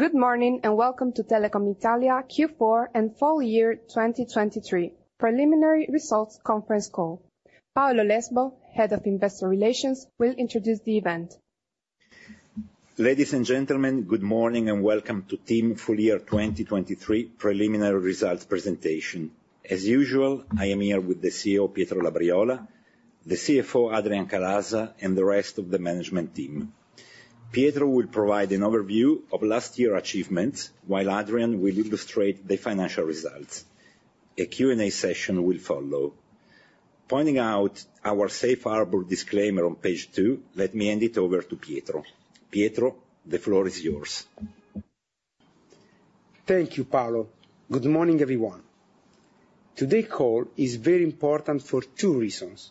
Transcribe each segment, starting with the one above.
Good morning, and welcome to Telecom Italia Q4 and full year 2023 preliminary results conference call. Paolo Lesbo, Head of Investor Relations, will introduce the event. Ladies and gentlemen, good morning and welcome to TIM full year 2023 preliminary results presentation. As usual, I am here with the CEO, Pietro Labriola, the CFO, Adrian Calaza, and the rest of the management team. Pietro will provide an overview of last year achievements, while Adrian will illustrate the financial results. A Q&A session will follow. Finding out our safe harbor disclaimer on page 2, let me hand it over to Pietro. Pietro, the floor is yours. Thank you, Paolo. Good morning, everyone. Today's call is very important for two reasons.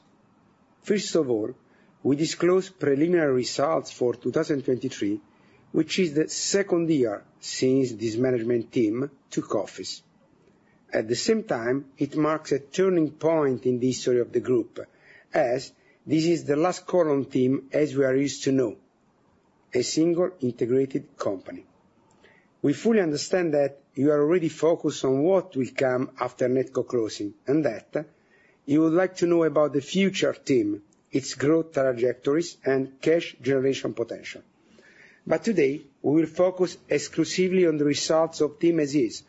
First of all, we disclose preliminary results for 2023, which is the second year since this management team took office. At the same time, it marks a turning point in the history of the group, as this is the last call on TIM, as we are used to know, a single integrated company. We fully understand that you are already focused on what will come after NetCo closing, and that you would like to know about the future TIM, its growth trajectories, and cash generation potential. But today, we will focus exclusively on the results of TIM as is,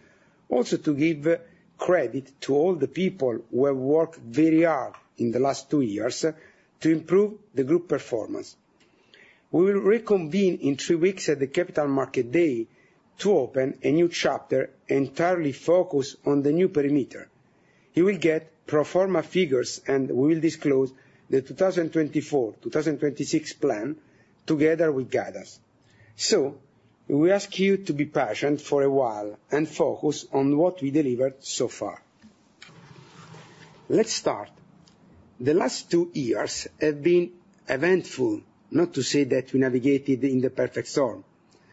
also to give credit to all the people who have worked very hard in the last two years to improve the group performance. We will reconvene in two weeks at the Capital Market Day to open a new chapter entirely focused on the new perimeter. You will get pro forma figures, and we will disclose the 2024, 2026 plan together with guidance. So we ask you to be patient for a while and focus on what we delivered so far. Let's start. The last two years have been eventful, not to say that we navigated in the perfect storm.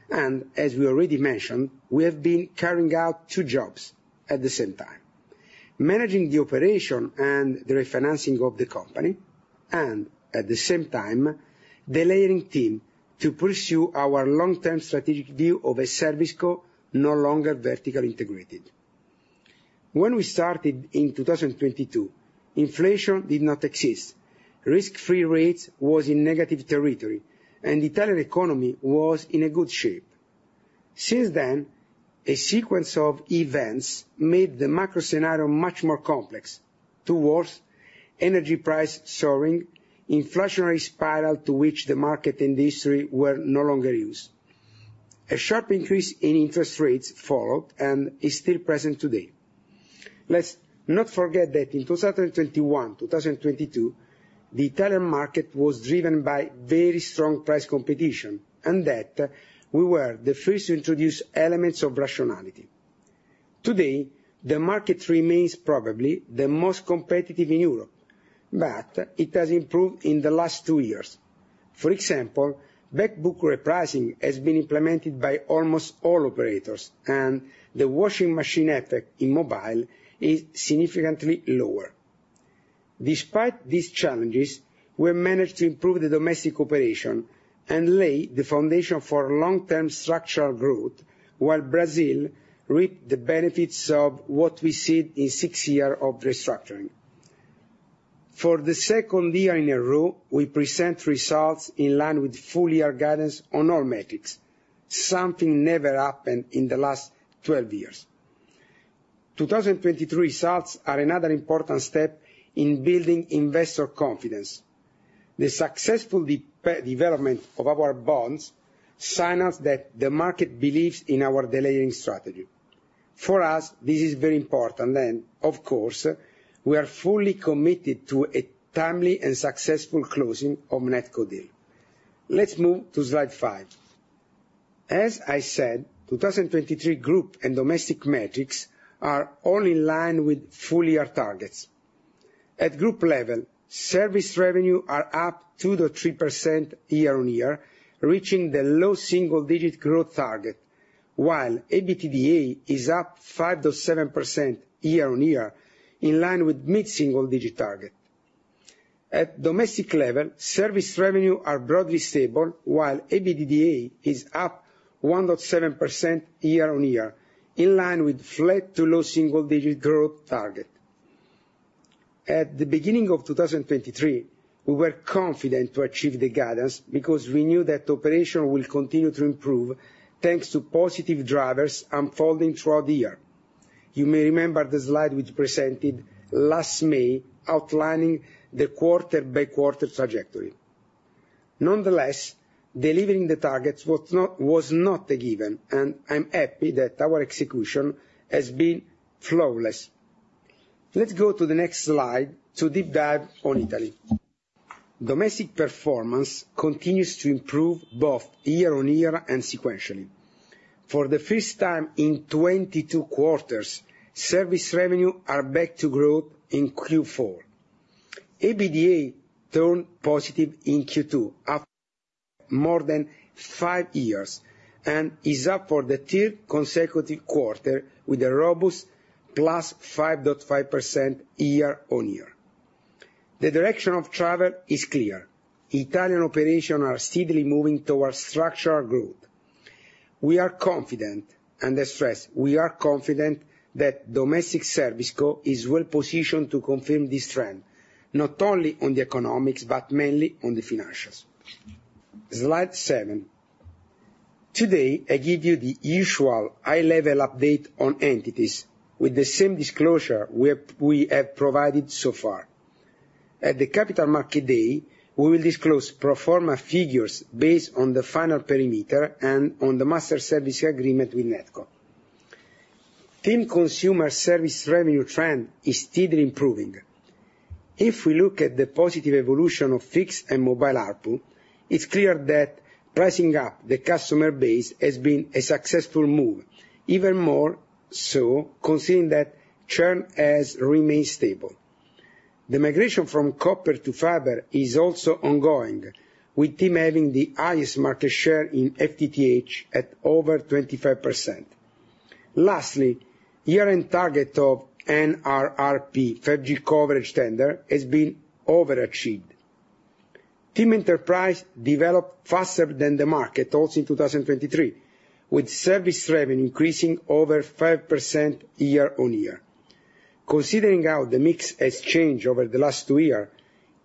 And as we already mentioned, we have been carrying out two jobs at the same time: managing the operation and the refinancing of the company, and at the same time, the layering team to pursue our long-term strategic view of a ServiceCo no longer vertically integrated. When we started in 2022, inflation did not exist, risk-free rates was in negative territory, and the Italian economy was in a good shape. Since then, a sequence of events made the macro scenario much more complex, towards energy price soaring, inflationary spiral to which the market and industry were no longer used. A sharp increase in interest rates followed and is still present today. Let's not forget that in 2021, 2022, the Italian market was driven by very strong price competition, and that we were the first to introduce elements of rationality. Today, the market remains probably the most competitive in Europe, but it has improved in the last two years. For example, Back book repricing has been implemented by almost all operators, and the washing machine effect in mobile is significantly lower. Despite these challenges, we managed to improve the domestic operation and lay the foundation for long-term structural growth, while Brazil reaped the benefits of what we see in six years of restructuring. For the second year in a row, we present results in line with full year guidance on all metrics. Something never happened in the last 12 years. 2023 results are another important step in building investor confidence. The successful development of our bonds signals that the market believes in our layering strategy. For us, this is very important, and of course, we are fully committed to a timely and successful closing of NetCo deal. Let's move to slide 5. As I said, 2023 group and domestic metrics are all in line with full year targets. At group level, service revenue are up 2%-3% year-on-year, reaching the low single digit growth target, while EBITDA is up 5%-7% year-on-year, in line with mid single digit target. At domestic level, service revenue are broadly stable, while EBITDA is up 1.7% year-on-year, in line with flat to low single digit growth target. At the beginning of 2023, we were confident to achieve the guidance because we knew that operation will continue to improve, thanks to positive drivers unfolding throughout the year. You may remember the slide which presented last May, outlining the quarter by quarter trajectory. Nonetheless, delivering the targets was not, was not a given, and I'm happy that our execution has been flawless. Let's go to the next slide to deep dive on Italy. Domestic performance continues to improve both year-on-year and sequentially. For the first time in 22 quarters, service revenue are back to growth in Q4. EBITDA turned positive in Q2 after more than five years, and is up for the third consecutive quarter with a robust +5.5% year-on-year. The direction of travel is clear. Italian operation are steadily moving towards structural growth. We are confident, and I stress, we are confident that domestic ServiceCo is well positioned to confirm this trend, not only on the economics, but mainly on the financials. Slide 7. Today, I give you the usual high-level update on entities with the same disclosure we have, we have provided so far. At the Capital Market Day, we will disclose pro forma figures based on the final perimeter and on the Master Service Agreement with NetCo. TIM Consumer service revenue trend is steadily improving. If we look at the positive evolution of fixed and mobile ARPU, it's clear that pricing up the customer base has been a successful move, even more so considering that churn has remained stable. The migration from copper to fiber is also ongoing, with TIM having the highest market share in FTTH at over 25%. Lastly, year-end target of NRRP 5G coverage tender has been overachieved. TIM Enterprise developed faster than the market, also in 2023, with service revenue increasing over 5% year-on-year. Considering how the mix has changed over the last two years,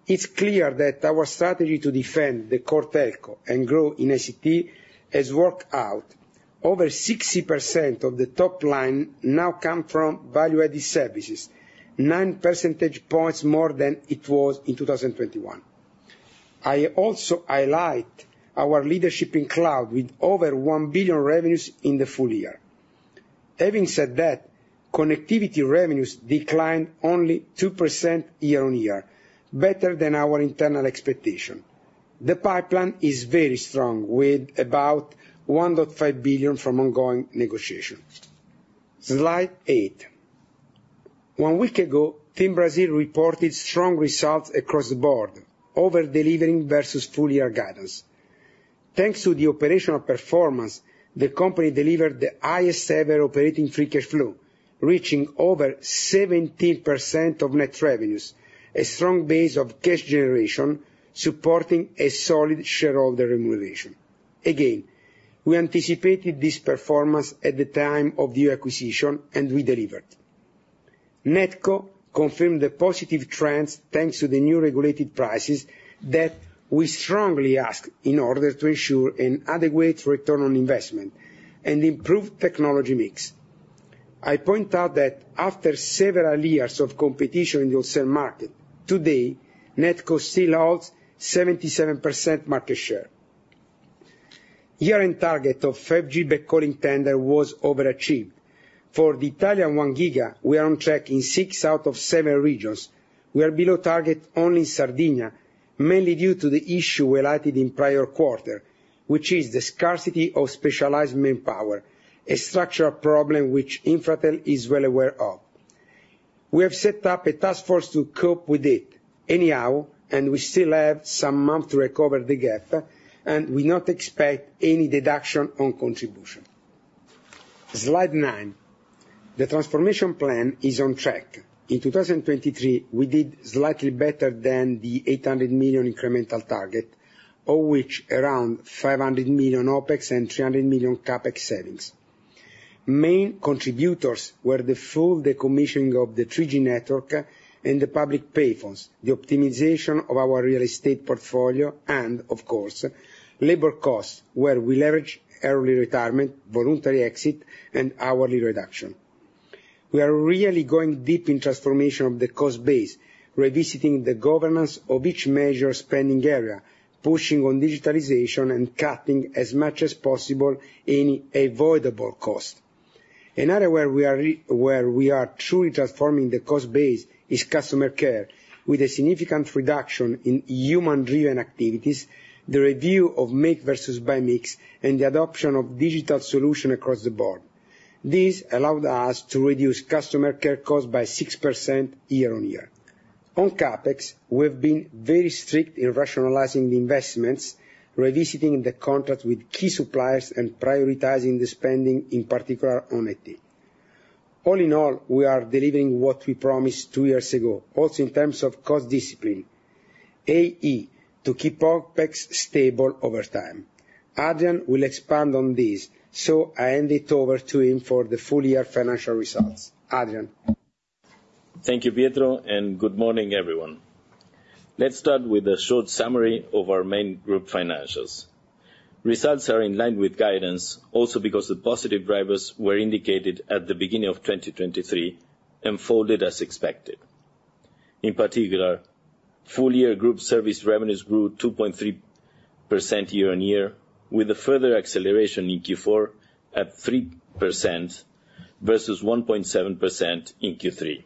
it's clear that our strategy to defend the core telco and grow in ICT has worked out. Over 60% of the top line now come from value-added services, 9 percentage points more than it was in 2021. I also highlight our leadership in cloud, with over 1 billion revenues in the full year. Having said that, connectivity revenues declined only 2% year-on-year, better than our internal expectation. The pipeline is very strong, with about 1.5 billion from ongoing negotiations. Slide 8. One week ago, TIM Brasil reported strong results across the board, over-delivering versus full-year guidance. Thanks to the operational performance, the company delivered the highest-ever operating free cash flow, reaching over 17% of net revenues, a strong base of cash generation supporting a solid shareholder remuneration. Again, we anticipated this performance at the time of the acquisition, and we delivered. NetCo confirmed the positive trends, thanks to the new regulated prices that we strongly ask in order to ensure an adequate return on investment and improved technology mix. I point out that after several years of competition in wholesale market, today, NetCo still holds 77% market share. Year-end target of 5G backhauling tender was overachieved. For the Italian One Giga, we are on track in six out of seven regions. We are below target only in Sardinia, mainly due to the issue related in prior quarter, which is the scarcity of specialized manpower, a structural problem which Infratel is well aware of. We have set up a task force to cope with it anyhow, and we still have some month to recover the gap, and we not expect any deduction on contribution. Slide 9. The transformation plan is on track. In 2023, we did slightly better than the 800 million incremental target, of which around 500 million OpEx and 300 million CapEx savings. Main contributors were the full decommissioning of the 3G network and the public payphones, the optimization of our real estate portfolio, and of course, labor costs, where we leverage early retirement, voluntary exit, and hourly reduction. We are really going deep in transformation of the cost base, revisiting the governance of each major spending area, pushing on digitalization, and cutting as much as possible any avoidable cost. Another area where we are truly transforming the cost base is customer care, with a significant reduction in human-driven activities, the review of make versus buy mix, and the adoption of digital solution across the board. This allowed us to reduce customer care costs by 6% year-on-year. On CapEx, we've been very strict in rationalizing the investments, revisiting the contract with key suppliers, and prioritizing the spending, in particular, on IT. All in all, we are delivering what we promised two years ago, also in terms of cost discipline, i.e., to keep OpEx stable over time. Adrian will expand on this, so I hand it over to him for the full-year financial results. Adrian? Thank you, Pietro, and good morning, everyone. Let's start with a short summary of our main group financials. Results are in line with guidance, also because the positive drivers were indicated at the beginning of 2023 and folded as expected. In particular, full-year group service revenues grew 2.3% year-on-year, with a further acceleration in Q4 at 3% versus 1.7% in Q3.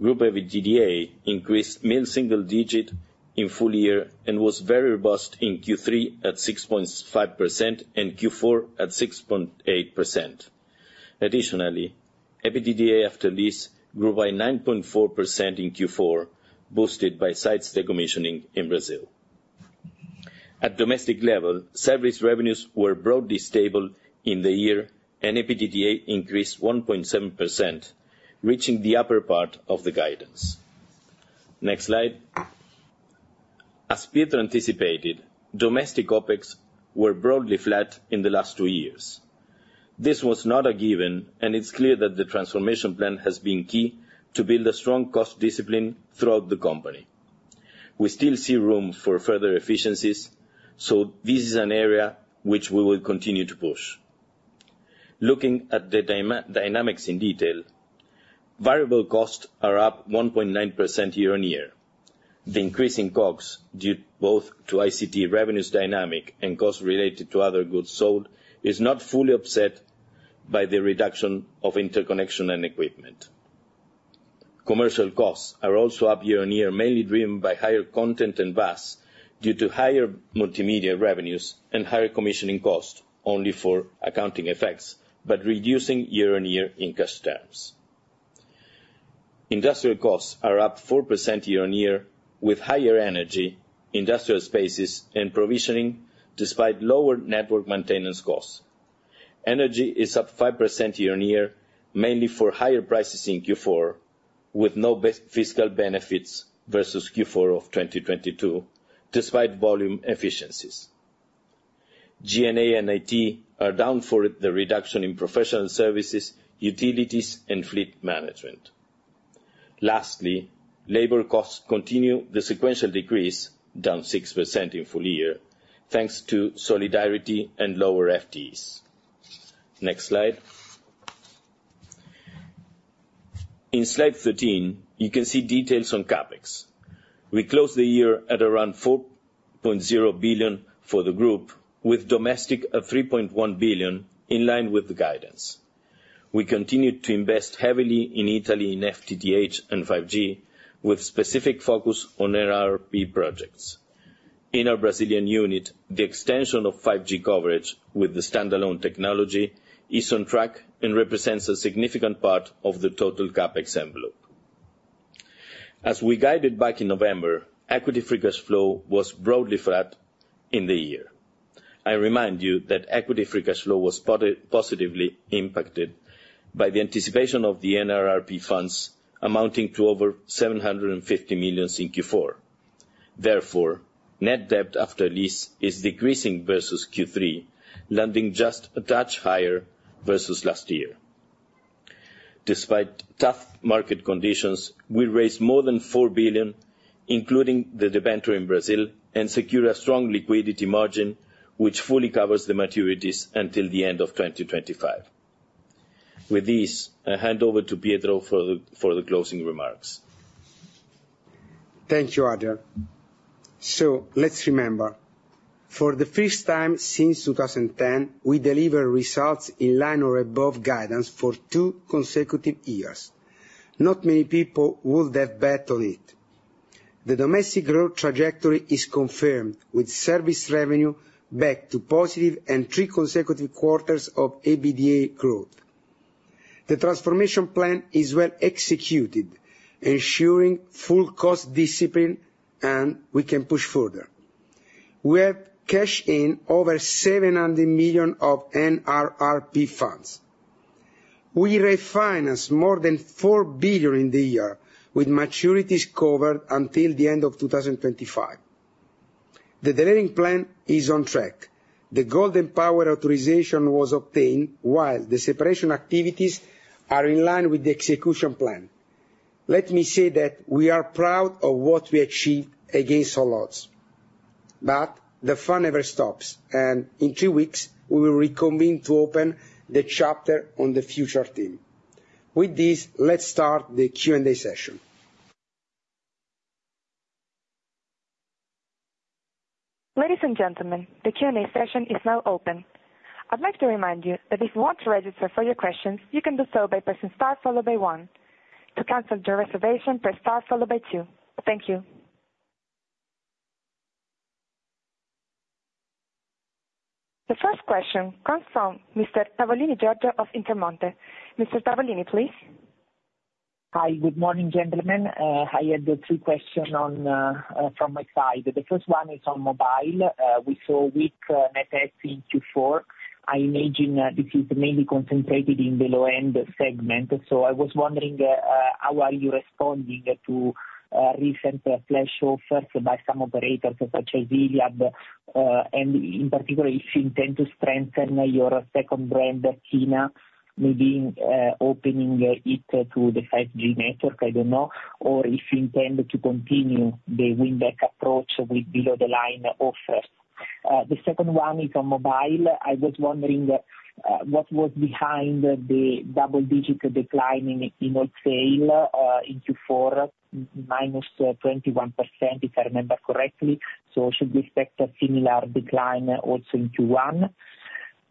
Group EBITDA increased mid-single digit in full year and was very robust in Q3 at 6.5% and Q4 at 6.8%. Additionally, EBITDA After Lease grew by 9.4% in Q4, boosted by sites decommissioning in Brazil.... At domestic level, service revenues were broadly stable in the year, and EBITDA increased 1.7%, reaching the upper part of the guidance. Next slide. As Pietro anticipated, domestic OpEx were broadly flat in the last two years. This was not a given, and it's clear that the transformation plan has been key to build a strong cost discipline throughout the company. We still see room for further efficiencies, so this is an area which we will continue to push. Looking at the dynamics in detail, variable costs are up 1.9% year-on-year. The increase in COGS, due both to ICT revenues dynamic and costs related to other goods sold, is not fully upset by the reduction of interconnection and equipment. Commercial costs are also up year-on-year, mainly driven by higher content and VAS, due to higher multimedia revenues and higher commissioning costs only for accounting effects, but reducing year-on-year in cash terms. Industrial costs are up 4% year-on-year, with higher energy, industrial spaces, and provisioning, despite lower network maintenance costs. Energy is up 5% year-on-year, mainly for higher prices in Q4, with no fiscal benefits versus Q4 of 2022, despite volume efficiencies. GNA and IT are down for the reduction in professional services, utilities, and fleet management. Lastly, labor costs continue the sequential decrease, down 6% in full year, thanks to solidarity and lower FTEs. Next slide. In slide 13, you can see details on CapEx. We closed the year at around 4.0 billion for the group, with domestic at 3.1 billion, in line with the guidance. We continued to invest heavily in Italy in FTTH and 5G, with specific focus on NRRP projects. In our Brazilian unit, the extension of 5G coverage with the standalone technology is on track and represents a significant part of the total CapEx envelope. As we guided back in November, equity free cash flow was broadly flat in the year. I remind you that equity free cash flow was positively impacted by the anticipation of the NRRP funds, amounting to over 750 million in Q4. Therefore, net debt after lease is decreasing versus Q3, landing just a touch higher versus last year. Despite tough market conditions, we raised more than 4 billion, including the debenture in Brazil, and secured a strong liquidity margin, which fully covers the maturities until the end of 2025. With this, I hand over to Pietro for the closing remarks. Thank you, Adrian. So let's remember, for the first time since 2010, we delivered results in line or above guidance for two consecutive years. Not many people would have bet on it. The domestic growth trajectory is confirmed, with service revenue back to positive and three consecutive quarters of EBITDA growth. The transformation plan is well executed, ensuring full cost discipline, and we can push further. We have cashed in over 700 million of NRRP funds. We refinanced more than 4 billion in the year, with maturities covered until the end of 2025. The delivering plan is on track. The Golden Power authorization was obtained, while the separation activities are in line with the execution plan. Let me say that we are proud of what we achieved against all odds, but the fun never stops, and in two weeks, we will reconvene to open the chapter on the future TIM. With this, let's start the Q&A session. Ladies and gentlemen, the Q&A session is now open. I'd like to remind you that if you want to register for your questions, you can do so by pressing star followed by one. To cancel your reservation, press star followed by two. Thank you. The first question comes from Mr. Giorgio Tavolini of Intermonte. Mr. Tavolini, please. Hi, good morning, gentlemen. I have the three question on, from my side. The first one is on mobile. We saw weak, net adds in Q4. I imagine, this is mainly concentrated in the low-end segment. So I was wondering, how are you responding to, recent, flash offers by some operators such as Iliad? And in particular, if you intend to strengthen your second brand, Kena, maybe, opening it to the 5G network, I don't know. Or if you intend to continue the win-back approach with below-the-line offers. The second one is on mobile. I was wondering, what was behind the double-digit decline in, in retail, in Q4, -21%, if I remember correctly. So should we expect a similar decline also in Q1?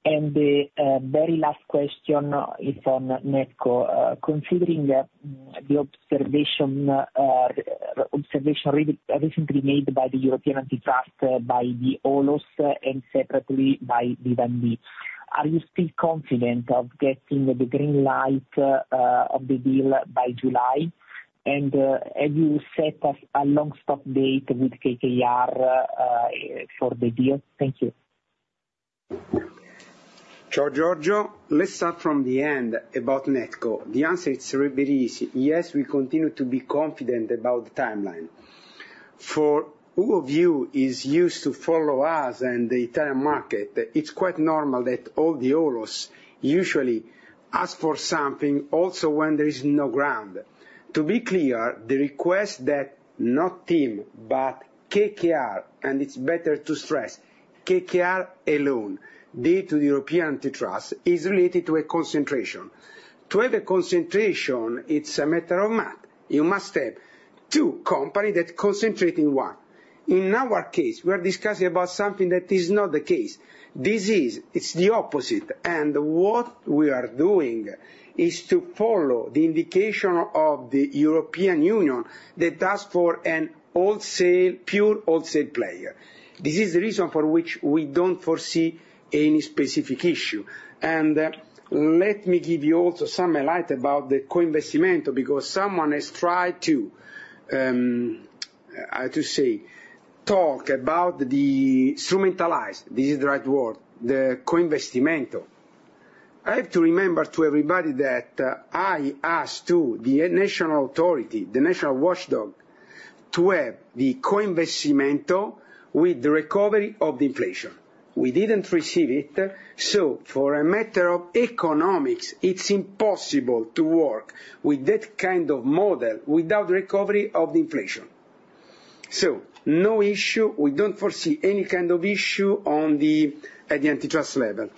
And the, very last question is on NetCo. Considering the observation recently made by the European Antitrust, by the OLOs and separately by Vivendi... Are you still confident of getting the green light of the deal by July? And have you set up a long stop date with KKR for the deal? Thank you. Ciao, Giorgio. Let's start from the end about NetCo. The answer is very, very easy: Yes, we continue to be confident about the timeline. For who of you is used to follow us and the entire market, it's quite normal that all the ORs usually ask for something also when there is no ground. To be clear, the request that, not TIM, but KKR, and it's better to stress, KKR alone, due to the European antitrust, is related to a concentration. To have a concentration, it's a matter of math. You must have two company that concentrate in one. In our case, we are discussing about something that is not the case. This is, it's the opposite, and what we are doing is to follow the indication of the European Union that asks for an wholesale, pure wholesale player. This is the reason for which we don't foresee any specific issue. Let me give you also some highlight about the Co-investimento, because someone has tried to, how to say, talk about the instrumentalize, this is the right word, the Co-investimento. I have to remember to everybody that I asked to the national authority, the national watchdog, to have the Co-investimento with the recovery of the inflation. We didn't receive it, so for a matter of economics, it's impossible to work with that kind of model without recovery of the inflation. So no issue. We don't foresee any kind of issue on the, at the antitrust level.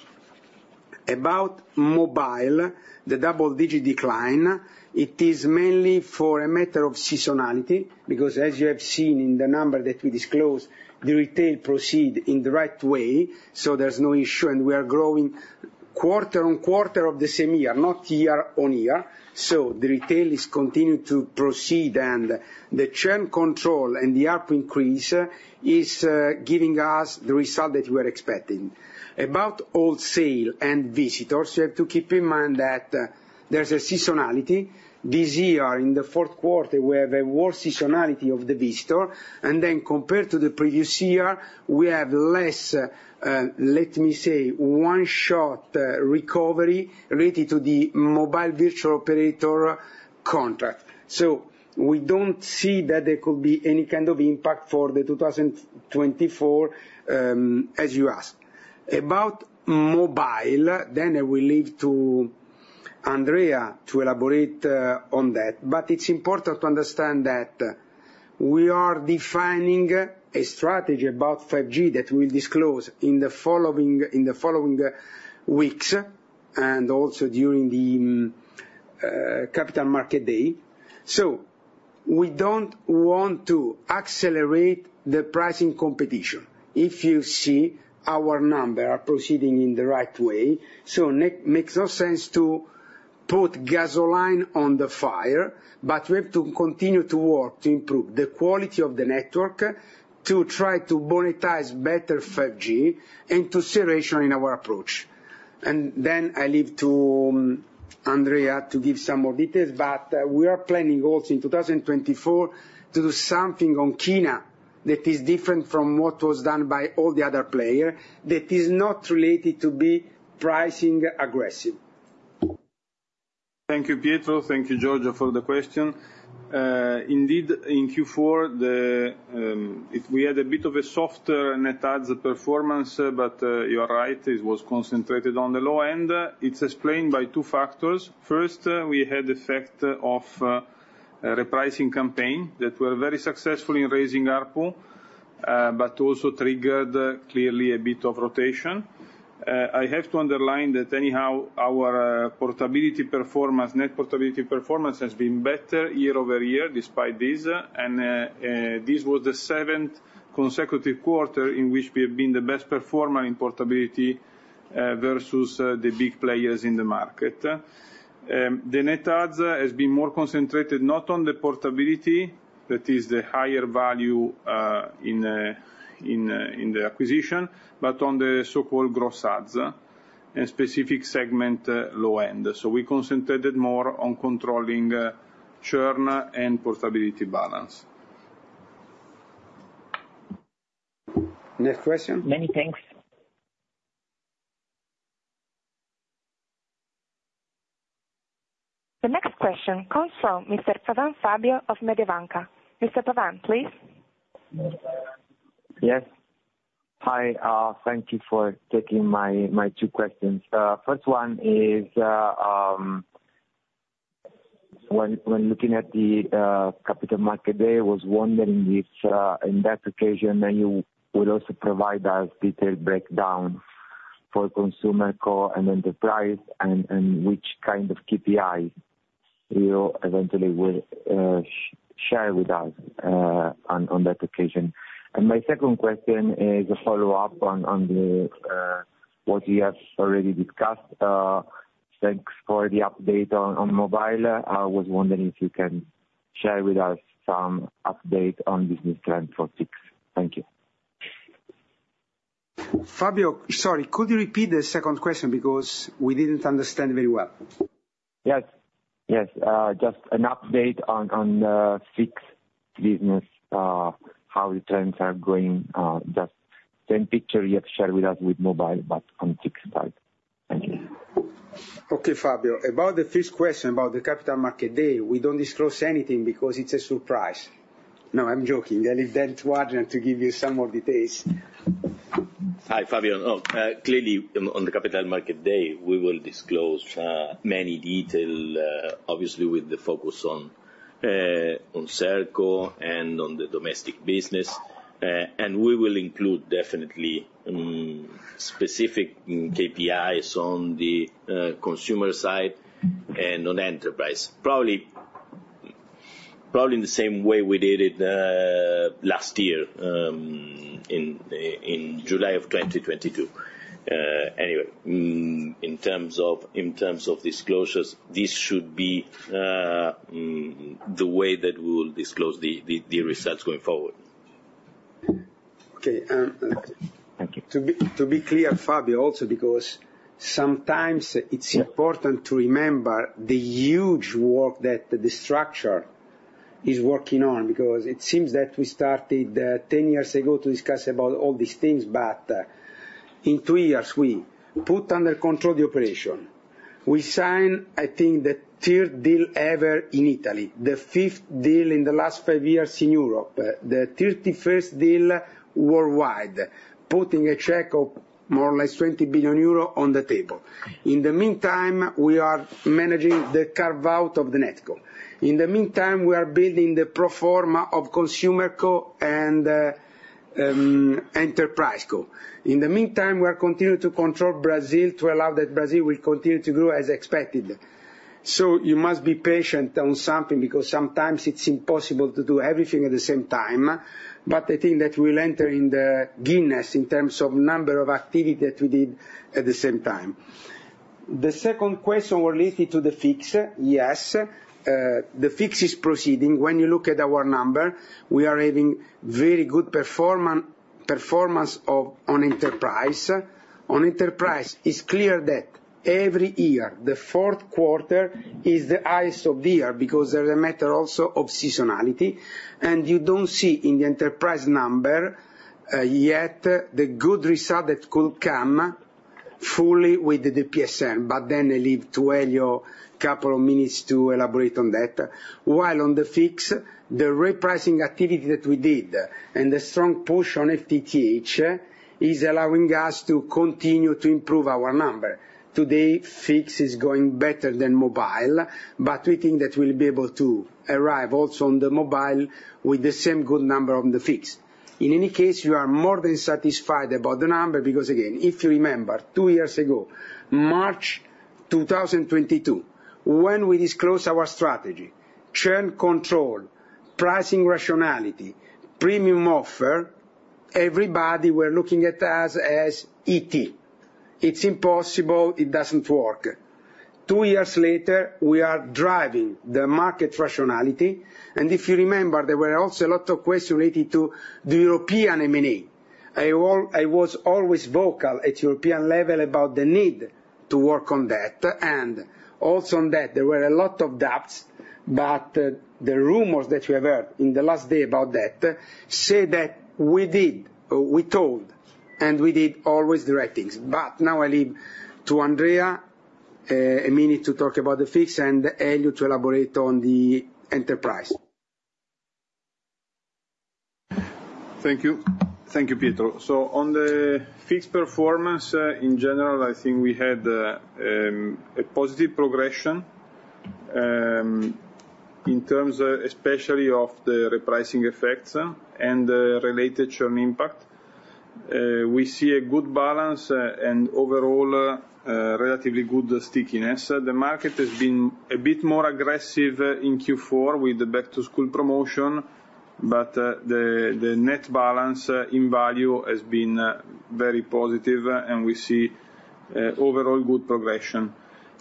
About mobile, the double-digit decline, it is mainly for a matter of seasonality, because as you have seen in the number that we disclosed, the retail proceed in the right way, so there's no issue, and we are growing quarter-over-quarter of the same year, not year-over-year. So the retail is continuing to proceed, and the churn control and the ARPU increase is giving us the result that we're expecting. About wholesale and visitors, you have to keep in mind that, there's a seasonality. This year, in the fourth quarter, we have a worse seasonality of the visitor, and then compared to the previous year, we have less, let me say, one-shot recovery related to the mobile virtual operator contract. So we don't see that there could be any kind of impact for 2024, as you ask. About mobile, then I will leave to Andrea to elaborate on that. But it's important to understand that we are defining a strategy about 5G that we'll disclose in the following weeks, and also during the Capital Market Day. So we don't want to accelerate the pricing competition. If you see, our numbers are proceeding in the right way, so it makes no sense to put gasoline on the fire, but we have to continue to work to improve the quality of the network, to try to monetize better 5G and to stay rational in our approach. Then I leave to Andrea to give some more details, but we are planning also in 2024 to do something on churn that is different from what was done by all the other players, that is not related to aggressive pricing. Thank you, Pietro. Thank you, Giorgio, for the question. Indeed, in Q4, we had a bit of a softer net adds performance, but you are right, it was concentrated on the low end. It's explained by two factors. First, we had the effect of a repricing campaign that were very successful in raising ARPU, but also triggered, clearly, a bit of rotation. I have to underline that anyhow, our portability performance, net portability performance has been better year-over-year despite this, and this was the seventh consecutive quarter in which we have been the best performer in portability versus the big players in the market. The net adds has been more concentrated not on the portability, that is the higher value, in the acquisition, but on the so-called gross adds, a specific segment, low end. So we concentrated more on controlling churn and portability balance. Next question? Many thanks. The next question comes from Mr. Fabio Pavan of Mediobanca. Mr. Pavan, please? Yes. Hi, thank you for taking my, my two questions. First one is, when, when looking at the, capital market day, I was wondering if, in that occasion, then you will also provide us detailed breakdown for consumer core and enterprise, and, and which kind of KPI you eventually will, share with us, on, on that occasion? And my second question is a follow-up on, on the, what you have already discussed. Thanks for the update on, on mobile. I was wondering if you can share with us some update on business trend for fixed. Thank you. Fabio, sorry, could you repeat the second question? Because we didn't understand very well. Yes, yes, just an update on the fixed business, how the trends are going, just same picture you have shared with us with mobile, but on fixed side. Thank you. Okay, Fabio. About the first question, about the Capital Market Day, we don't disclose anything because it's a surprise. No, I'm joking. I'll leave then to Adrian to give you some of the details. Hi, Fabio. Oh, clearly, on the Capital Market Day, we will disclose many details, obviously with the focus on ServCo and on the domestic business. We will include definitely specific KPIs on the consumer side and on enterprise. Probably in the same way we did it last year in July of 2022. Anyway, in terms of disclosures, this should be the way that we will disclose the results going forward. Okay, Thank you. To be clear, Fabio, also, because sometimes it's important- Yeah... to remember the huge work that the structure is working on, because it seems that we started 10 years ago to discuss about all these things, but in two years, we put under control the operation. We sign, I think, the third deal ever in Italy, the fifth deal in the last five years in Europe, the thirty-first deal worldwide, putting a check of more or less 20 billion euro on the table. In the meantime, we are managing the carve-out of the NetCo. In the meantime, we are building the pro forma of Consumer Co and Enterprise Co. In the meantime, we are continuing to control Brazil, to allow that Brazil will continue to grow as expected. So you must be patient on something, because sometimes it's impossible to do everything at the same time, but I think that we will enter in the Guinness in terms of number of activity that we did at the same time. The second question were related to the fixed. Yes, the fixed is proceeding. When you look at our number, we are having very good performance on enterprise. On enterprise, it's clear that every year, the fourth quarter is the highest of the year, because there's a matter also of seasonality, and you don't see in the enterprise number, yet the good result that could come fully with the PSN, but then I leave to Elio couple of minutes to elaborate on that. While on the fixed, the repricing activity that we did and the strong push on FTTH is allowing us to continue to improve our number. Today, fixed is going better than mobile, but we think that we'll be able to arrive also on the mobile with the same good number on the fixed. In any case, you are more than satisfied about the number, because again, if you remember, two years ago, March 2022, when we disclosed our strategy, churn control, pricing rationality, premium offer, everybody were looking at us as ET. "It's impossible. It doesn't work." Two years later, we are driving the market rationality, and if you remember, there were also a lot of questions related to the European M&A. I was always vocal at European level about the need to work on that, and also on that, there were a lot of doubts, but, the rumors that you have heard in the last day about that, say that we did, we told, and we did always the right things. But now I leave to Andrea a minute to talk about the fixed and Elio to elaborate on the enterprise. Thank you. Thank you, Pietro. So on the fixed performance, in general, I think we had a positive progression, in terms of especially of the repricing effects and related churn impact. We see a good balance, and overall, a relatively good stickiness. The market has been a bit more aggressive in Q4 with the back-to-school promotion, but the net balance in value has been very positive, and we see overall good progression.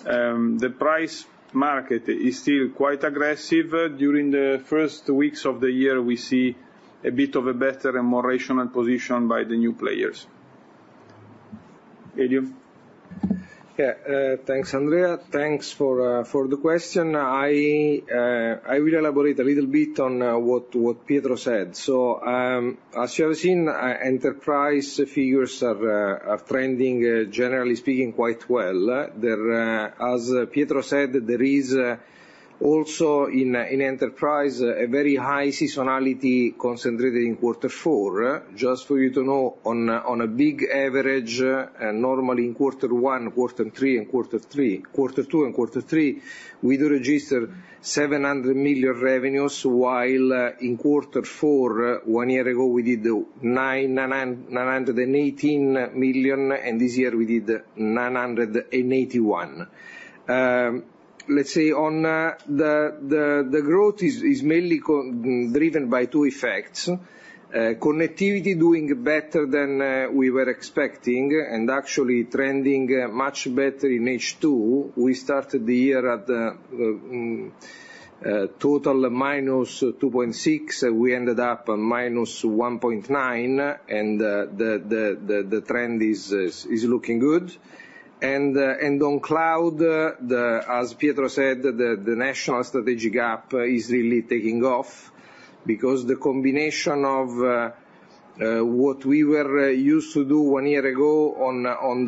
The price market is still quite aggressive. During the first weeks of the year, we see a bit of a better and more rational position by the new players. Elio? Yeah, thanks, Andrea. Thanks for the question. I will elaborate a little bit on what Pietro said. So, as you have seen, enterprise figures are trending, generally speaking, quite well. There, as Pietro said, there is also in enterprise a very high seasonality concentrated in quarter four. Just for you to know, on a big average, normally in quarter one, quarter two, and quarter three, we do register 700 million revenues, while in quarter four, one year ago, we did 918 million, and this year we did 981 million. Let's say on the growth is mainly driven by two effects: connectivity doing better than we were expecting, and actually trending much better in H2. We started the year at Total -2.6, we ended up on -1.9, and on cloud, as Pietro said, the national strategy gap is really taking off, because the combination of what we were used to do one year ago on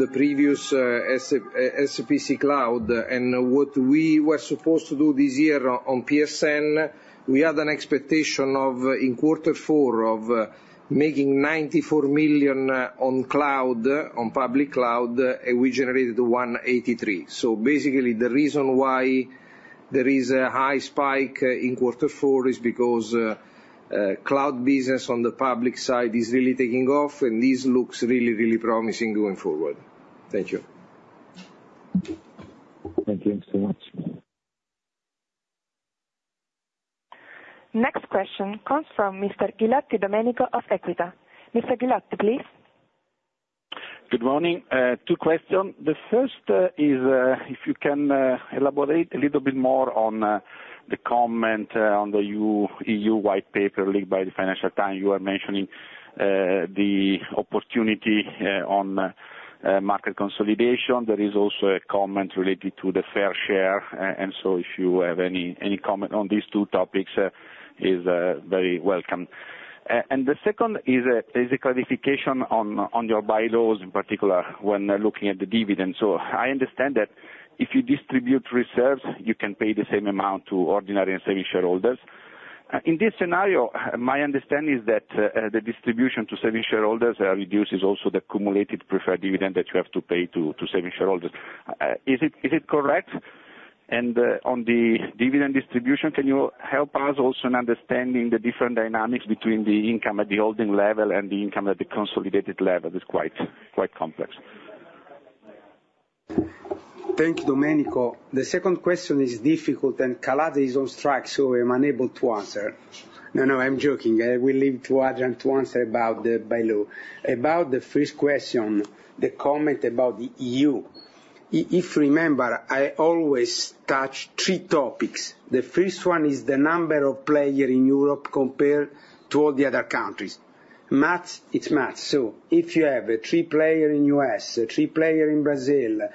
the previous SPC cloud and what we were supposed to do this year on PSN, we had an expectation of, in quarter four, of making 94 million on cloud, on public cloud, and we generated 183 million. So basically, the reason why there is a high spike in quarter four is because cloud business on the public side is really taking off, and this looks really promising going forward. Thank you. Thank you so much. Next question comes from Mr. Domenico Ghilotti of Equita. Mr. Ghilotti, please. Good morning. Two questions. The first is if you can elaborate a little bit more on the comment on the EU white paper led by the Financial Times. You are mentioning the opportunity on market consolidation. There is also a comment related to the fair share and so if you have any comment on these two topics is very welcome. And the second is a clarification on your bylaws, in particular, when looking at the dividend. So I understand that if you distribute reserves, you can pay the same amount to ordinary and savings shareholders. In this scenario, my understanding is that the distribution to savings shareholders reduces also the accumulated preferred dividend that you have to pay to savings shareholders. Is it correct? On the dividend distribution, can you help us also in understanding the different dynamics between the income at the holding level and the income at the consolidated level? It's quite, quite complex. Thank you, Domenico. The second question is difficult, and Calaza is on strike, so I'm unable to answer. No, no, I'm joking. I will leave to Adrian to answer about the bylaw. About the first question, the comment about the EU. I- if you remember, I always touch three topics. The first one is the number of player in Europe compared to all the other countries. Math is math, so if you have three player in U.S., three player in Brazil,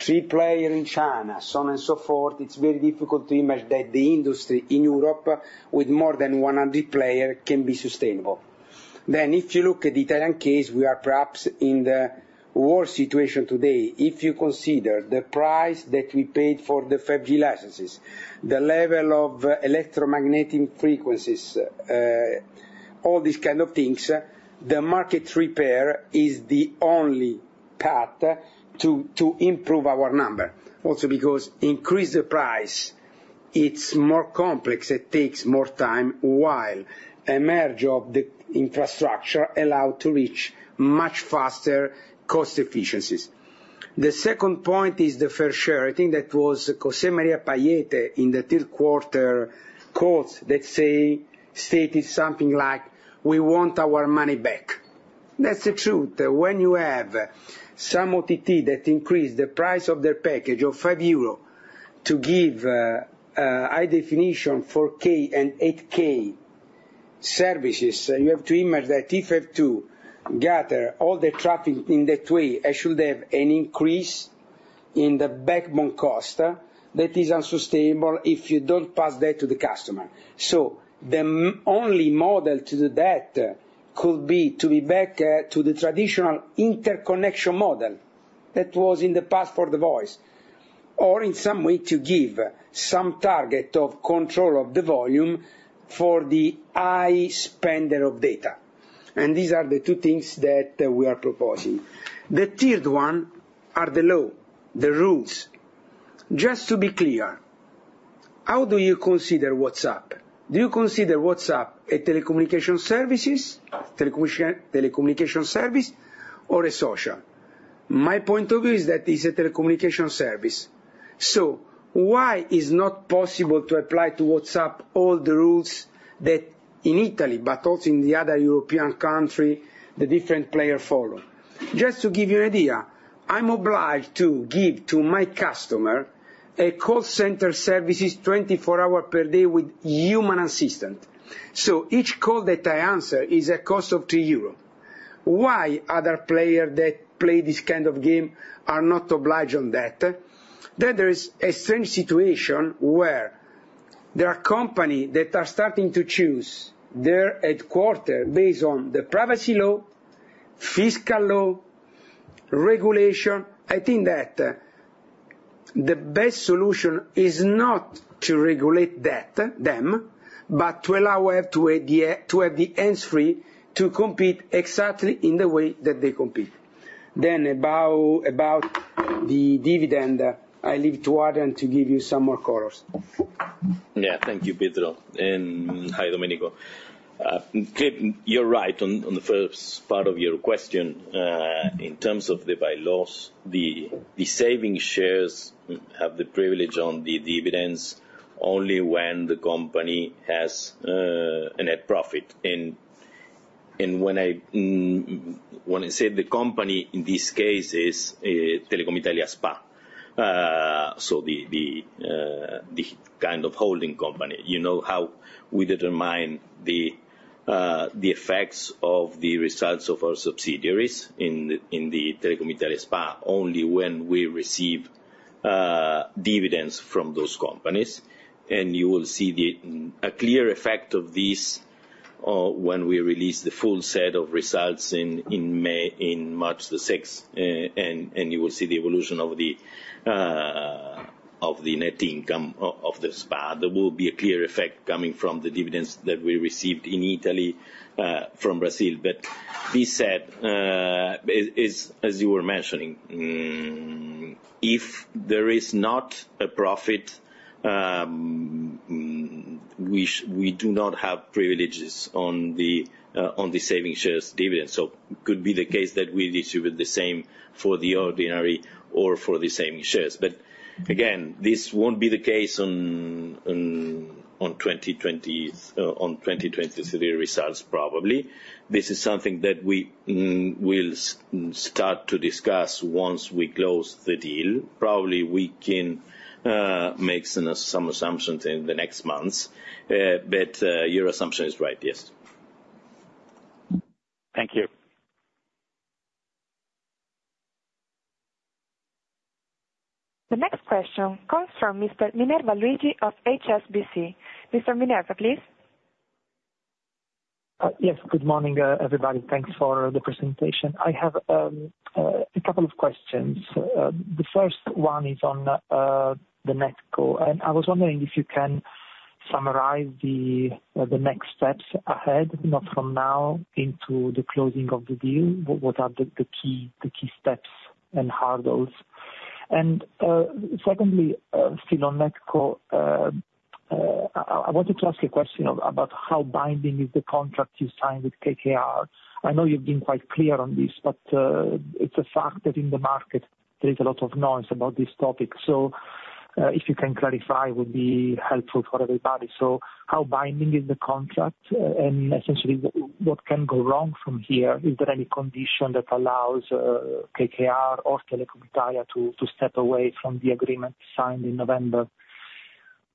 three player in China, so on and so forth, it's very difficult to imagine that the industry in Europe with more than 100 player can be sustainable. Then, if you look at the Italian case, we are perhaps in the worst situation today. If you consider the price that we paid for the 5G licenses, the level of electromagnetic frequencies, all these kind of things, the market repair is the only path to improve our number. Also, because increase the price, it's more complex, it takes more time, while a merge of the infrastructure allow to reach much faster cost efficiencies. The second point is the fair share. I think that was José María Álvarez-Pallete in the third quarter quotes that say, stated something like: "We want our money back." That's the truth. When you have some OTT that increase the price of their package of 5 euro to give high definition, 4K and 8K services, you have to imagine that if I have to gather all the traffic in that way, I should have an increase in the backbone cost that is unsustainable if you don't pass that to the customer. So the only model to do that could be to be back to the traditional interconnection model that was in the past for the voice, or in some way to give some target of control of the volume for the high spender of data. And these are the two things that we are proposing. The third one are the law, the rules. Just to be clear, how do you consider WhatsApp? Do you consider WhatsApp a telecommunication service or a social? My point of view is that it's a telecommunication service. So why it's not possible to apply to WhatsApp all the rules that in Italy, but also in the other European country, the different player follow? Just to give you an idea, I'm obliged to give to my customer a call center services 24 hour per day with human assistant. So each call that I answer is a cost of 2 euro. Why other player that play this kind of game are not obliged on that? Then there is a strange situation where there are company that are starting to choose their headquarter based on the privacy law, fiscal law, regulation. I think that the best solution is not to regulate that, them, but to allow her to have the, to have the hands free to compete exactly in the way that they compete. Then, about the dividend, I leave to Adrian to give you some more colors. Yeah, thank you, Pietro, and hi, Domenico. You're right on the first part of your question. In terms of the bylaws, the savings shares have the privilege on the dividends only when the company has a net profit, and-... And when I say the company, in this case is Telecom Italia S.p.A. So the kind of holding company. You know how we determine the effects of the results of our subsidiaries in the Telecom Italia S.p.A. only when we receive dividends from those companies. And you will see a clear effect of this when we release the full set of results in May, in March the 6th. And you will see the evolution of the net income of the S.p.A. There will be a clear effect coming from the dividends that we received in Italy, from Brazil. But this said, as you were mentioning, if there is not a profit, we do not have privileges on the, on the saving shares dividends. So could be the case that we distribute the same for the ordinary or for the saving shares. But again, this won't be the case on, on 2020, on 2023 results, probably. This is something that we will start to discuss once we close the deal. Probably we can make some assumptions in the next months, but, your assumption is right, yes. Thank you. The next question comes from Mr. Luigi Minerva of HSBC. Mr. Minerva, please. Yes. Good morning, everybody. Thanks for the presentation. I have a couple of questions. The first one is on the NetCo, and I was wondering if you can summarize the next steps ahead, not from now into the closing of the deal, what are the key steps and hurdles? And secondly, still on NetCo, I wanted to ask a question about how binding is the contract you signed with KKR? I know you've been quite clear on this, but it's a fact that in the market there is a lot of noise about this topic. So if you can clarify, it would be helpful for everybody. So how binding is the contract, and essentially, what can go wrong from here? Is there any condition that allows KKR or Telecom Italia to step away from the agreement signed in November?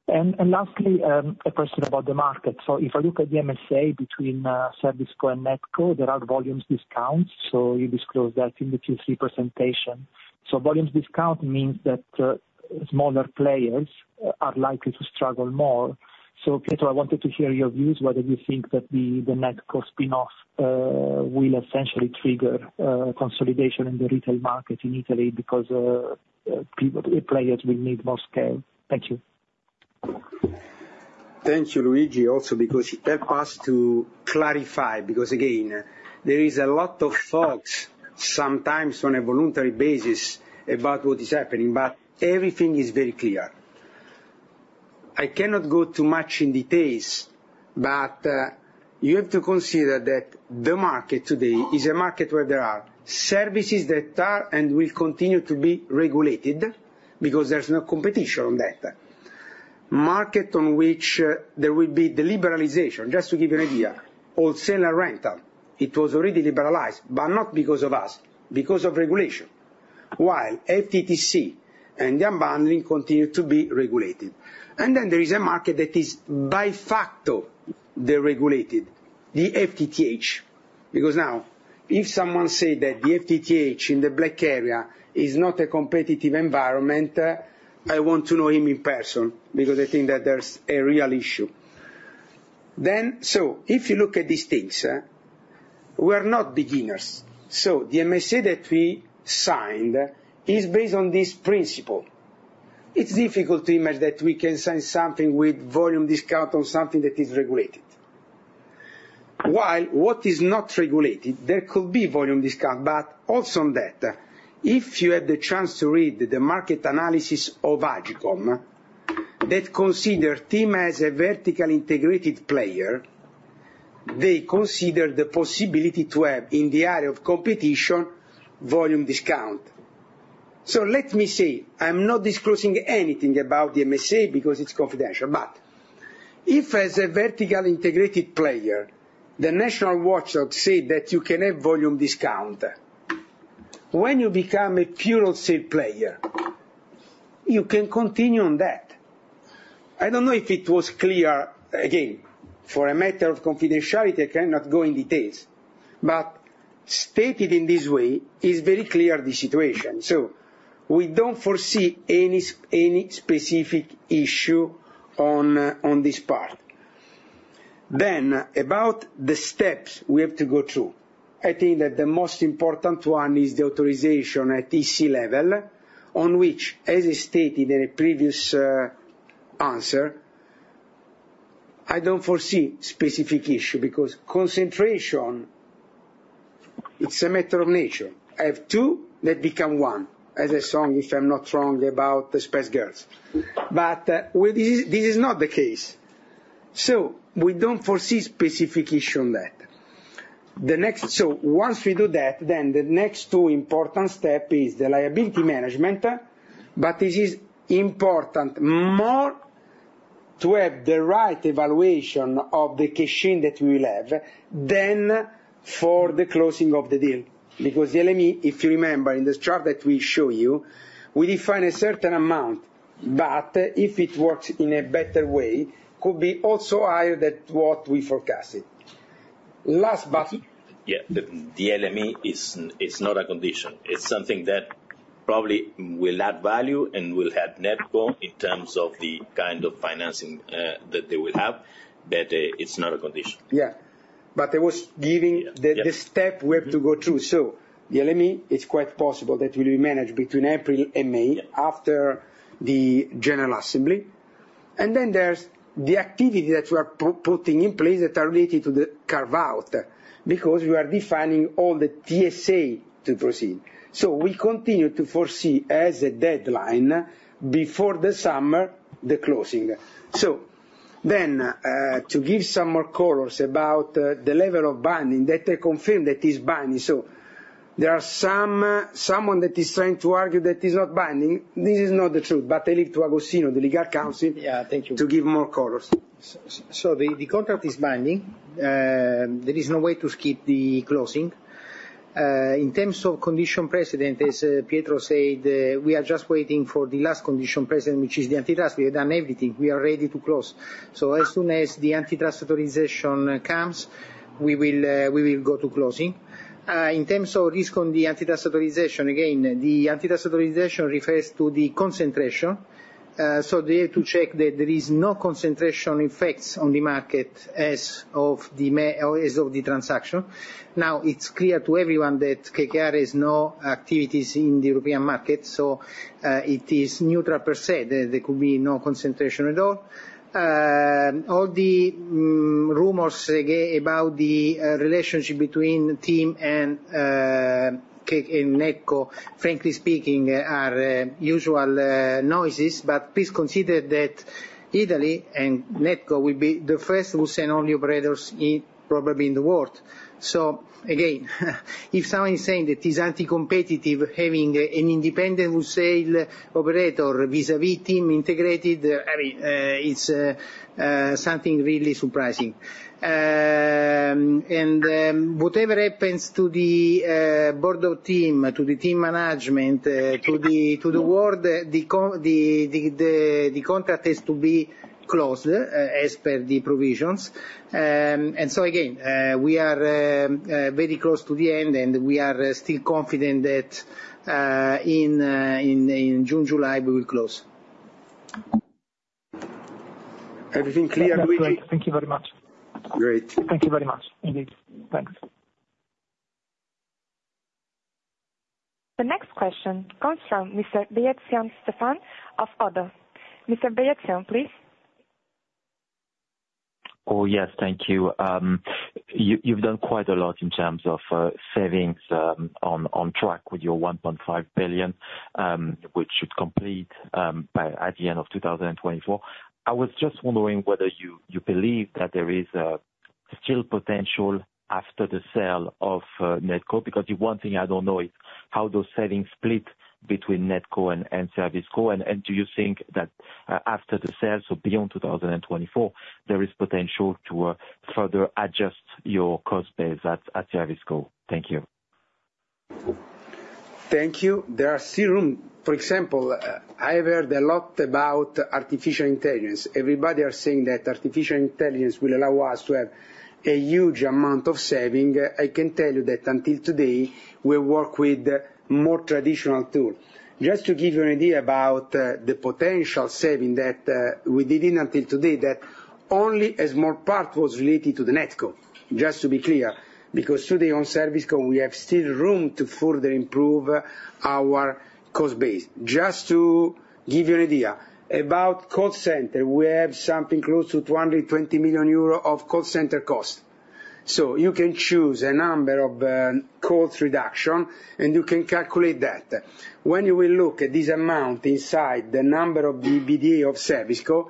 And lastly, a question about the market. So if I look at the MSA between ServiceCo and NetCo, there are volumes discounts, so you disclose that in the Q3 presentation. So volumes discount means that smaller players are likely to struggle more. So Pietro, I wanted to hear your views, whether you think that the NetCo spin-off will essentially trigger consolidation in the retail market in Italy, because players will need more scale. Thank you. Thank you, Luigi. Also, because you help us to clarify, because again, there is a lot of thoughts, sometimes on a voluntary basis, about what is happening, but everything is very clear. I cannot go too much in details, but you have to consider that the market today is a market where there are services that are, and will continue to be regulated, because there's no competition on that. Market on which there will be the liberalization. Just to give you an idea, wholesale rental, it was already liberalized, but not because of us, because of regulation. While FTTC and the unbundling continue to be regulated. And then there is a market that is by factor, deregulated, the FTTH. Because now, if someone say that the FTTH in the black area is not a competitive environment, I want to know him in person, because I think that there's a real issue. Then, so if you look at these things, we're not beginners. So the MSA that we signed is based on this principle. It's difficult to imagine that we can sign something with volume discount on something that is regulated. While what is not regulated, there could be volume discount, but also on that, if you had the chance to read the market analysis of AGCOM, that consider TIM as a vertically integrated player, they consider the possibility to have, in the area of competition, volume discount. So let me say, I'm not disclosing anything about the MSA because it's confidential, but if as a vertical integrated player, the national watchdog say that you can have volume discount, when you become a pure sale player, you can continue on that. I don't know if it was clear. Again, for a matter of confidentiality, I cannot go in details, but stated in this way, it's very clear the situation. So we don't foresee any specific issue on this part. Then, about the steps we have to go through, I think that the most important one is the authorization at EC level, on which, as I stated in a previous answer, I don't foresee specific issue, because concentration, it's a matter of nature. I have two that become one, as a song, if I'm not wrong, about the Spice Girls. But, with this, this is not the case. So we don't foresee specific issue on that. The next... So once we do that, then the next two important step is the liability management, but this is important more-... to have the right evaluation of the cash in that we will have, then for the closing of the deal. Because the LME, if you remember in this chart that we show you, we define a certain amount, but if it works in a better way, could be also higher than what we forecasted. Last but- Yeah, the LME is. It's not a condition. It's something that probably will add value and will help NetCo in terms of the kind of financing that they will have, but it's not a condition. Yeah. But I was giving- Yeah. the step we have to go through. So the LME, it's quite possible that will be managed between April and May- Yeah... after the general assembly. And then there's the activity that we are putting in place that are related to the carve-out, because we are refining all the TSA to proceed. So we continue to foresee as a deadline, before the summer, the closing. So then, to give some more colors about, the level of binding, that I confirm that is binding. So there are some, someone that is trying to argue that is not binding, this is not the truth, but I leave to Agostino, the legal counsel- Yeah, thank you. to give more colors. So the contract is binding. There is no way to skip the closing. In terms of condition precedent, as Pietro said, we are just waiting for the last condition precedent, which is the antitrust. We have done everything. We are ready to close. So as soon as the antitrust authorization comes, we will go to closing. In terms of risk on the antitrust authorization, again, the antitrust authorization refers to the concentration. So they have to check that there is no concentration effects on the market as of the transaction. Now, it's clear to everyone that KKR has no activities in the European market, so it is neutral per se. There could be no concentration at all. All the rumors, again, about the relationship between TIM and KKR and NetCo, frankly speaking, are usual noises, but please consider that TIM and NetCo will be the first wholesale-only operators in, probably, in the world. So again, if someone is saying that it's anti-competitive having an independent wholesale operator vis-à-vis TIM integrated, I mean, it's something really surprising. And whatever happens to the board of TIM, to the TIM management, to the board, the contract is to be closed as per the provisions. And so again, we are very close to the end, and we are still confident that in June, July, we will close. Everything clear, Luigi? Thank you very much. Great. Thank you very much, indeed. Thanks. The next question comes from Mr. Stéphane Beyazian of Oddo. Mr. Beyazian, please. Oh, yes, thank you. You've done quite a lot in terms of savings, on track with your 1.5 billion, which should complete by at the end of 2024. I was just wondering whether you believe that there is still potential after the sale of NetCo? Because the one thing I don't know is, how those savings split between NetCo and ServiceCo. And do you think that after the sale, so beyond 2024, there is potential to further adjust your cost base at ServiceCo? Thank you. Thank you. There are still room. For example, I heard a lot about artificial intelligence. Everybody are saying that artificial intelligence will allow us to have a huge amount of saving. I can tell you that until today, we work with more traditional tool. Just to give you an idea about the potential saving that we did in until today, that only a small part was related to the NetCo. Just to be clear, because today on ServiceCo, we have still room to further improve our cost base. Just to give you an idea, about call center, we have something close to 220 million euro of call center cost. So you can choose a number of calls reduction, and you can calculate that. When you will look at this amount inside the number of EBITDA of ServCo,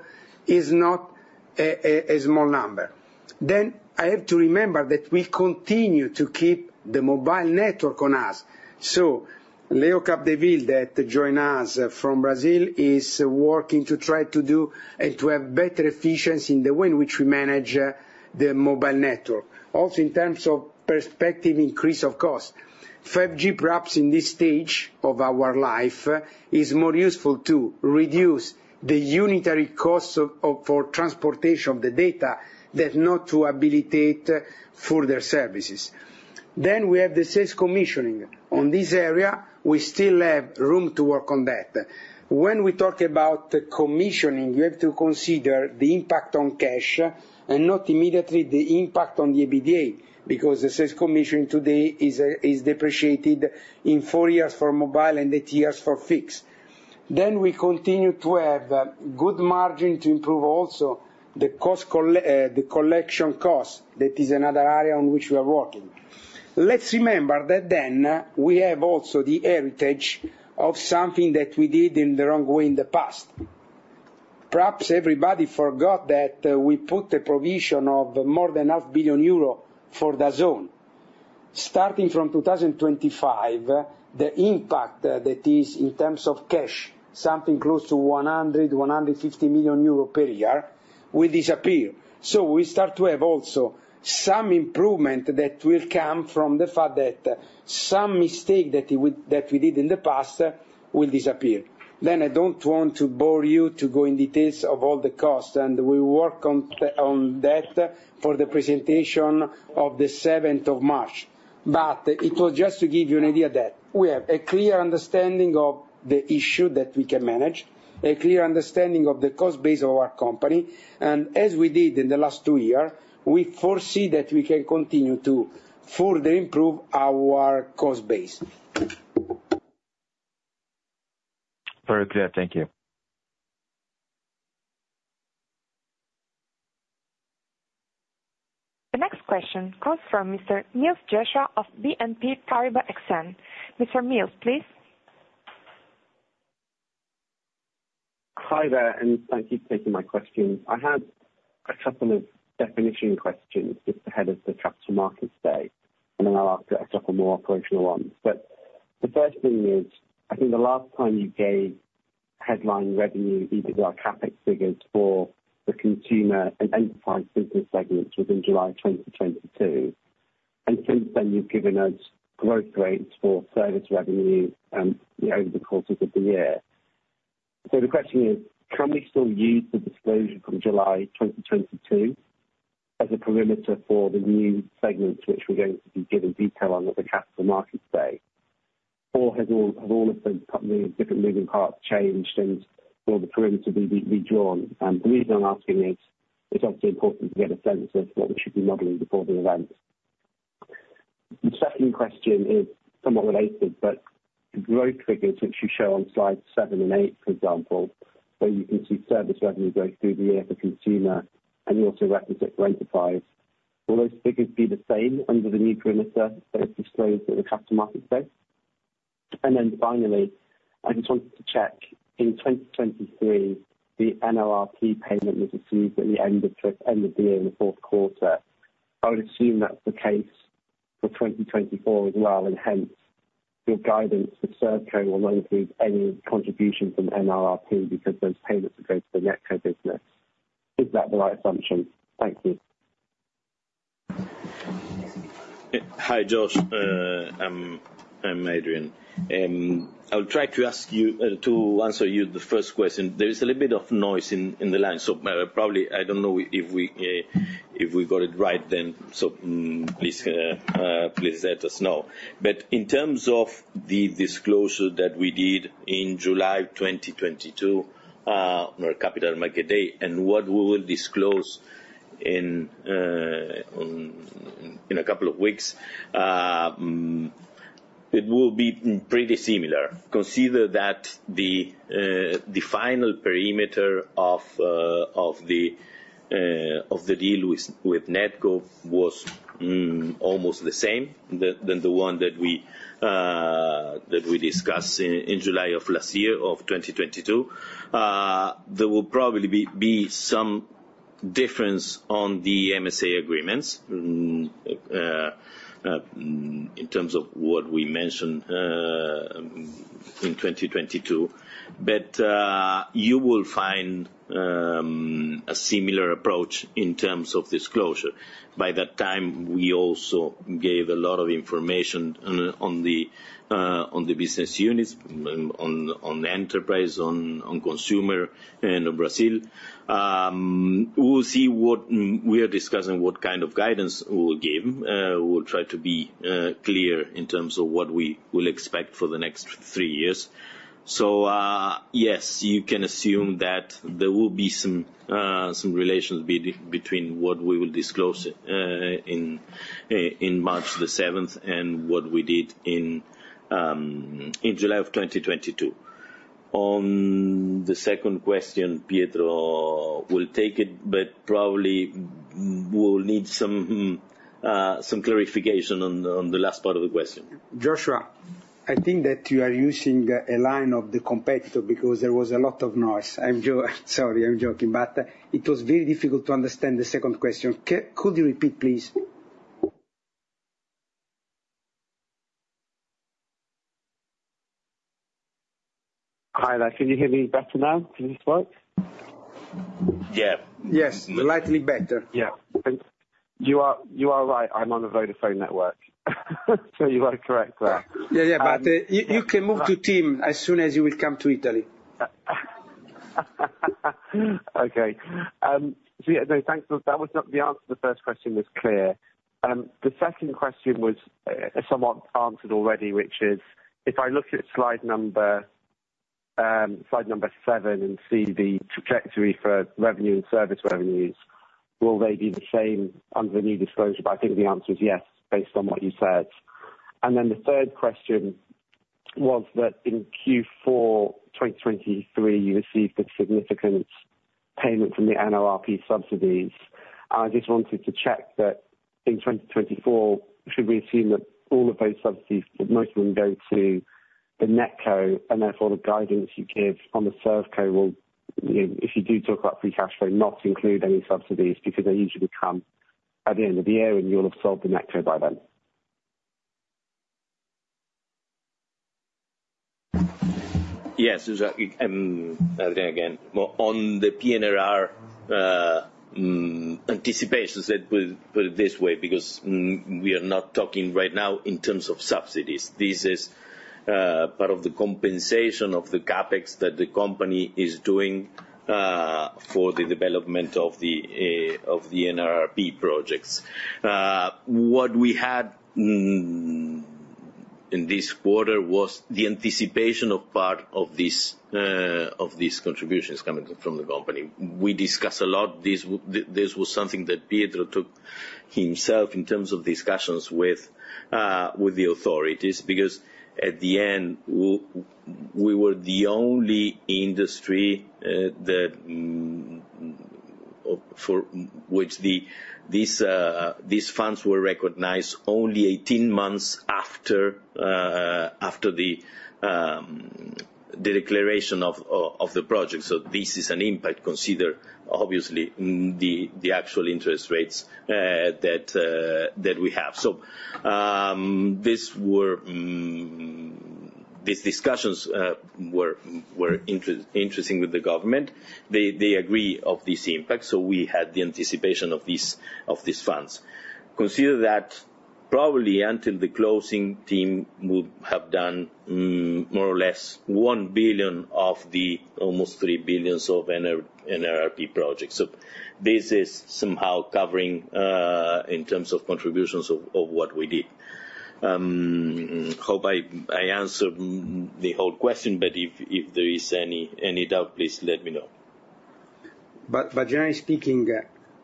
is not a small number. Then I have to remember that we continue to keep the mobile network on us. So Leo Capdeville, that join us from Brazil, is working to try to do and to have better efficiency in the way in which we manage the mobile network. Also, in terms of perspective increase of cost, 5G perhaps in this stage of our life, is more useful to reduce the unitary costs of for transportation of the data, than not to habilitate further services. Then we have the sales commissioning. On this area, we still have room to work on that. When we talk about the commissioning, you have to consider the impact on cash, and not immediately the impact on the EBITDA, because the sales commission today is depreciated in four years for mobile and eight years for fixed. Then we continue to have good margin to improve also the collection costs. That is another area on which we are working. Let's remember that then, we have also the heritage of something that we did in the wrong way in the past. Perhaps everybody forgot that, we put a provision of more than 500 million euro for the zone.... starting from 2025, the impact that is in terms of cash, something close to 100 million-150 million euros per year, will disappear. We start to have also some improvement that will come from the fact that some mistake that we did in the past will disappear. Then, I don't want to bore you to go in details of all the costs, and we work on that for the presentation of the 7th of March. But it was just to give you an idea that we have a clear understanding of the issue that we can manage, a clear understanding of the cost base of our company, and as we did in the last two year, we foresee that we can continue to further improve our cost base. Very clear. Thank you. The next question comes from Mr. Joshua Mills of BNP Paribas Exane. Mr. Mills, please. Hi there, and thank you for taking my questions. I had a couple of definition questions just ahead of the Capital Markets Day, and then I'll ask a couple more operational ones. But the first thing is, I think the last time you gave headline revenue, EBITDA, CapEx figures for the consumer and enterprise business segments was in July 2022, and since then you've given us growth rates for service revenue over the course of the year. So the question is: Can we still use the disclosure from July 2022 as a perimeter for the new segments, which we're going to be given detail on at the Capital Markets Day? Or has all, have all of the company's different moving parts changed and will the perimeter be, be, redrawn? The reason I'm asking is, it's obviously important to get a sense of what we should be modeling before the event. The second question is somewhat related, but the growth figures, which you show on slide 7 and 8, for example, where you can see service revenue growth through the year for consumer, and you also recognize it for enterprise. Will those figures be the same under the new perimeter that is disclosed at the Capital Markets Day? And then finally, I just wanted to check, in 2023, the NRRP payment was received at the end of the, end of the year, in the fourth quarter. I would assume that's the case for 2024 as well, and hence, your guidance for Servco will not include any contribution from NRRP because those payments will go to the NetCo business. Is that the right assumption? Thank you. Hi, Josh. I'm Adrian. I'll try to ask you to answer you the first question. There is a little bit of noise in the line, so maybe probably, I don't know if we got it right then, so please let us know. But in terms of the disclosure that we did in July 2022, on our Capital Market Day, and what we will disclose in a couple of weeks, it will be pretty similar. Consider that the final perimeter of the deal with NetCo was almost the same than the one that we discussed in July of last year, of 2022. There will probably be some difference on the MSA agreements in terms of what we mentioned in 2022. But you will find a similar approach in terms of disclosure. By that time, we also gave a lot of information on the business units, on the enterprise, on consumer and on Brazil. We'll see what we are discussing, what kind of guidance we'll give. We'll try to be clear in terms of what we will expect for the next three years. So yes, you can assume that there will be some relations between what we will disclose in March the 7th and what we did in July of 2022. On the second question, Pietro will take it, but probably we'll need some clarification on the last part of the question. Joshua, I think that you are using a line of the competitor because there was a lot of noise. I'm sorry, I'm joking, but it was very difficult to understand the second question. Could you repeat, please? Hi there. Can you hear me better now? Does this work? Yeah. Yes, slightly better. Yeah. Thanks. You are, you are right. I'm on a Vodafone network. So you are correct there. Yeah. Yeah, but you can move to TIM as soon as you will come to Italy. Okay. So yeah, no, thanks. That was not the answer. The first question was clear. The second question was, somewhat answered already, which is: If I look at slide number, slide number 7 and see the trajectory for revenue and service revenues, will they be the same under the new disclosure? But I think the answer is yes, based on what you said. And then the third question was that in Q4 2023, you received a significant payment from the NRRP subsidies. I just wanted to check that in 2024, should we assume that all of those subsidies, that most of them go to-... the NetCo, and therefore, the guidance you give on the ServCo will, you know, if you do talk about free cash flow, not include any subsidies, because they usually come at the end of the year, and you'll have sold the NetCo by then. Yes, exactly, there again. Well, on the PNRR anticipations. Put it this way, because we are not talking right now in terms of subsidies. This is part of the compensation of the CapEx that the company is doing for the development of the NRRP projects. What we had in this quarter was the anticipation of part of this of these contributions coming from the company. We discussed a lot, this was something that Pietro took himself in terms of discussions with the authorities, because at the end, we were the only industry that for which these funds were recognized only 18 months after the declaration of the project. So this is an impact, consider obviously, the actual interest rates that we have. So, these were these discussions were interesting with the government. They agree of this impact, so we had the anticipation of these funds. Consider that probably until the closing team would have done, more or less 1 billion of the almost 3 billion of NRRP projects. So this is somehow covering in terms of contributions of what we did. Hope I answered the whole question, but if there is any doubt, please let me know. But generally speaking,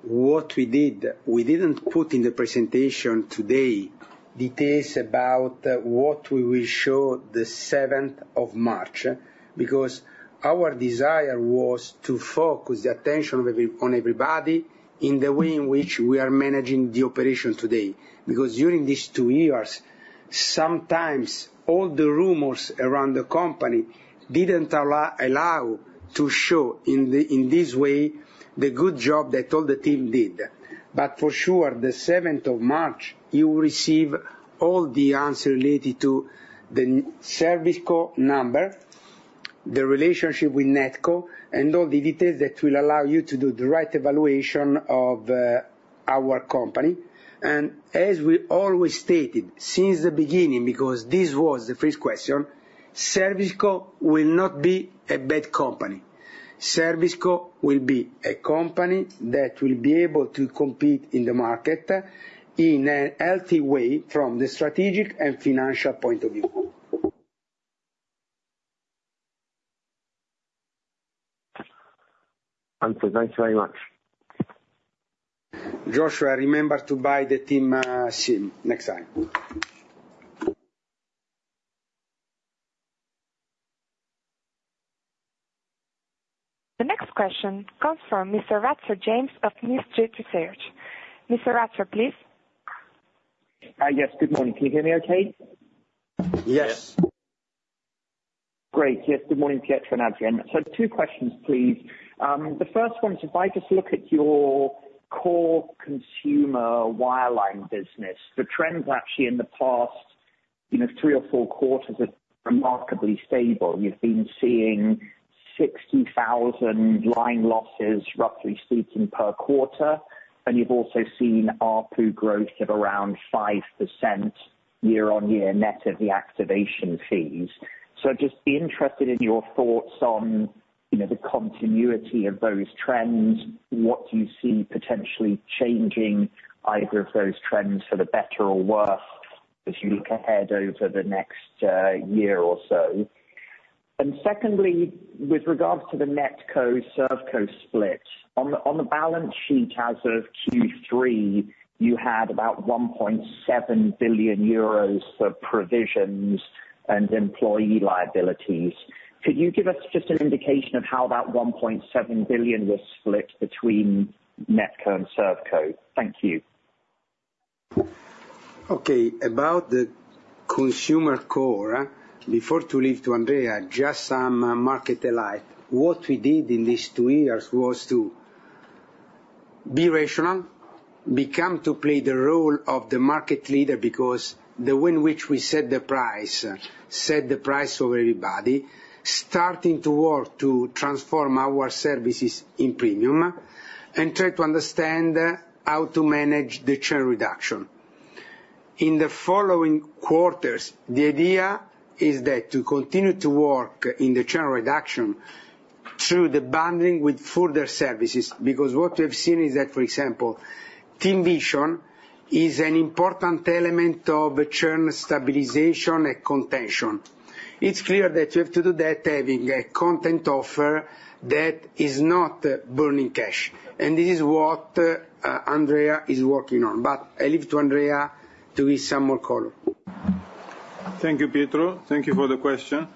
what we did, we didn't put in the presentation today details about what we will show the 7th of March, because our desire was to focus the attention on everybody in the way in which we are managing the operation today. Because during these two years, sometimes all the rumors around the company didn't allow to show in this way the good job that all the team did. But for sure, the 7th of March, you will receive all the answers related to the ServiceCo number, the relationship with NetCo, and all the details that will allow you to do the right evaluation of our company. And as we always stated since the beginning, because this was the first question, ServiceCo will not be a bad company. ServiceCo will be a company that will be able to compete in the market in a healthy way from the strategic and financial point of view. Andrew, thanks very much. Joshua, remember to buy the TIM SIM next time. The next question comes from Mr. James Ratzer of New Street Research. Mr. Ratzer, please. Yes, good morning. Can you hear me okay? Yes. Yes. Great. Yes, good morning, Pietro and Andrea. So two questions, please. The first one is, if I just look at your core consumer wireline business, the trends are actually in the past, you know, three or four quarters are remarkably stable. You've been seeing 60,000 line losses, roughly speaking, per quarter, and you've also seen ARPU growth of around 5% year-on-year, net of the activation fees. So just interested in your thoughts on, you know, the continuity of those trends. What do you see potentially changing either of those trends for the better or worse, as you look ahead over the next year or so? And secondly, with regards to the NetCo, ServCo split, on the balance sheet as of Q3, you had about 1.7 billion euros for provisions and employee liabilities. Could you give us just an indication of how that 1.7 billion was split between NetCo and ServCo? Thank you. Okay, about the consumer core, before to leave to Andrea, just some market alike. What we did in these two years was to be rational, become to play the role of the market leader, because the way in which we set the price, set the price of everybody, starting to work to transform our services in premium, and try to understand how to manage the churn reduction. In the following quarters, the idea is that to continue to work in the churn reduction through the bundling with further services, because what we have seen is that, for example, TIMVision is an important element of churn stabilization and contention. It's clear that you have to do that having a content offer that is not burning cash. And this is what Andrea is working on, but I leave to Andrea to give some more color. Thank you, Pietro. Thank you for the question....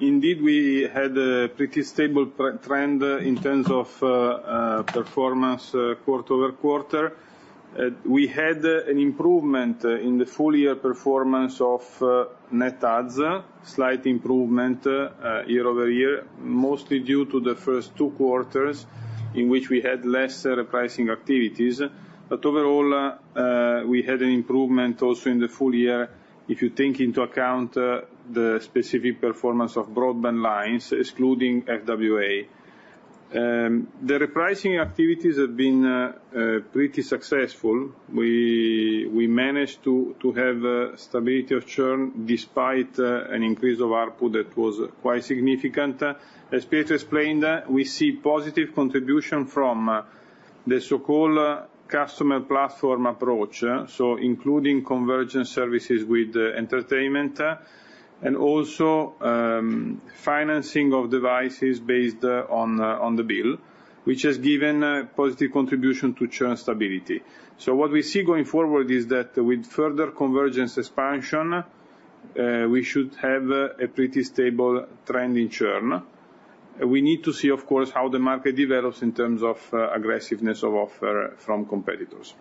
Indeed, we had a pretty stable price trend in terms of performance quarter-over-quarter. We had an improvement in the full year performance of net adds, slight improvement year-over-year, mostly due to the first two quarters, in which we had less repricing activities. But overall, we had an improvement also in the full year, if you take into account the specific performance of broadband lines, excluding FWA. The repricing activities have been pretty successful. We managed to have stability of churn, despite an increase of ARPU that was quite significant. As Pietro explained, we see positive contribution from the so-called customer platform approach, so including convergence services with entertainment, and also financing of devices based on the bill, which has given a positive contribution to churn stability. So what we see going forward is that with further convergence expansion, we should have a pretty stable trend in churn. We need to see, of course, how the market develops in terms of aggressiveness of offer from competitors.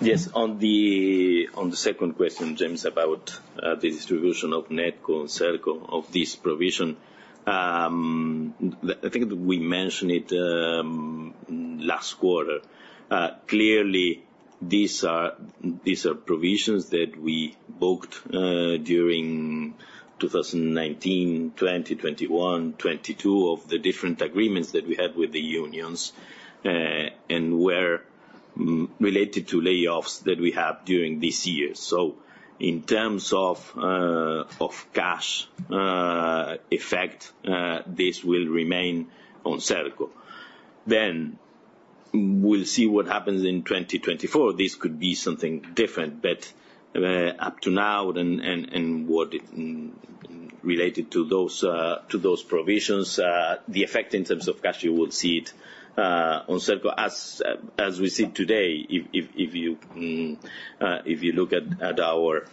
Yes, on the second question, James, about the distribution of NetCo and ServCo, of this provision. I think we mentioned it last quarter. Clearly these are, these are provisions that we booked during 2019, 2020, 2021, 2022, of the different agreements that we had with the unions, and were related to layoffs that we have during this year. So in terms of of cash effect, this will remain on ServCo. Then we'll see what happens in 2024. This could be something different, but up to now and, and, and what it related to those, to those provisions, the effect in terms of cash, you will see it on ServCo. As we see today, if you look at our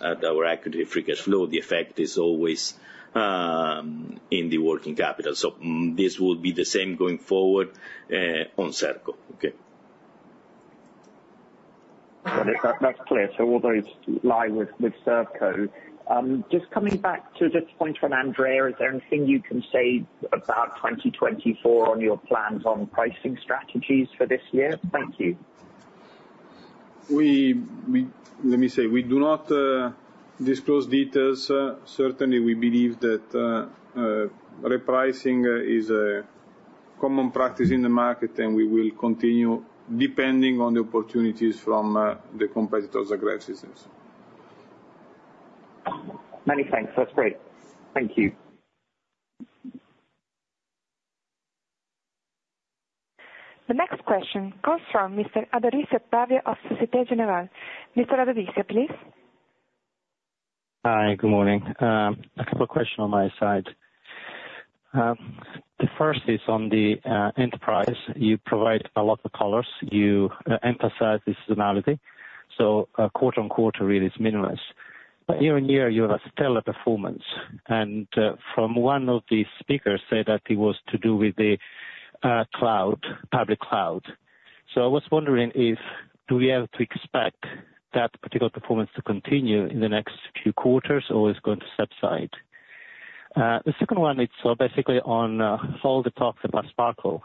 adjusted free cash flow, the effect is always in the working capital. So, this will be the same going forward on ServCo. Okay? That's clear. So although it's live with ServiceCo, just coming back to this point from Andrea, is there anything you can say about 2024 on your plans on pricing strategies for this year? Thank you. Let me say, we do not disclose details. Certainly, we believe that repricing is a common practice in the market, and we will continue depending on the opportunities from the competitors' aggressions. Many thanks. That's great. Thank you. The next question comes from Mr. Ottavio Adorisio of Société Générale. Mr. Ottavio Adorisio, please. Hi, good morning. A couple of questions on my side. The first is on the enterprise. You provide a lot of colors. You emphasize the seasonality, so quarter-on-quarter really is minimalist. But year-on-year, you have a stellar performance, and from one of the speakers say that it was to do with the cloud, public cloud. So I was wondering if do we have to expect that particular performance to continue in the next few quarters, or it's going to subside? The second one is basically on all the talks about Sparkle.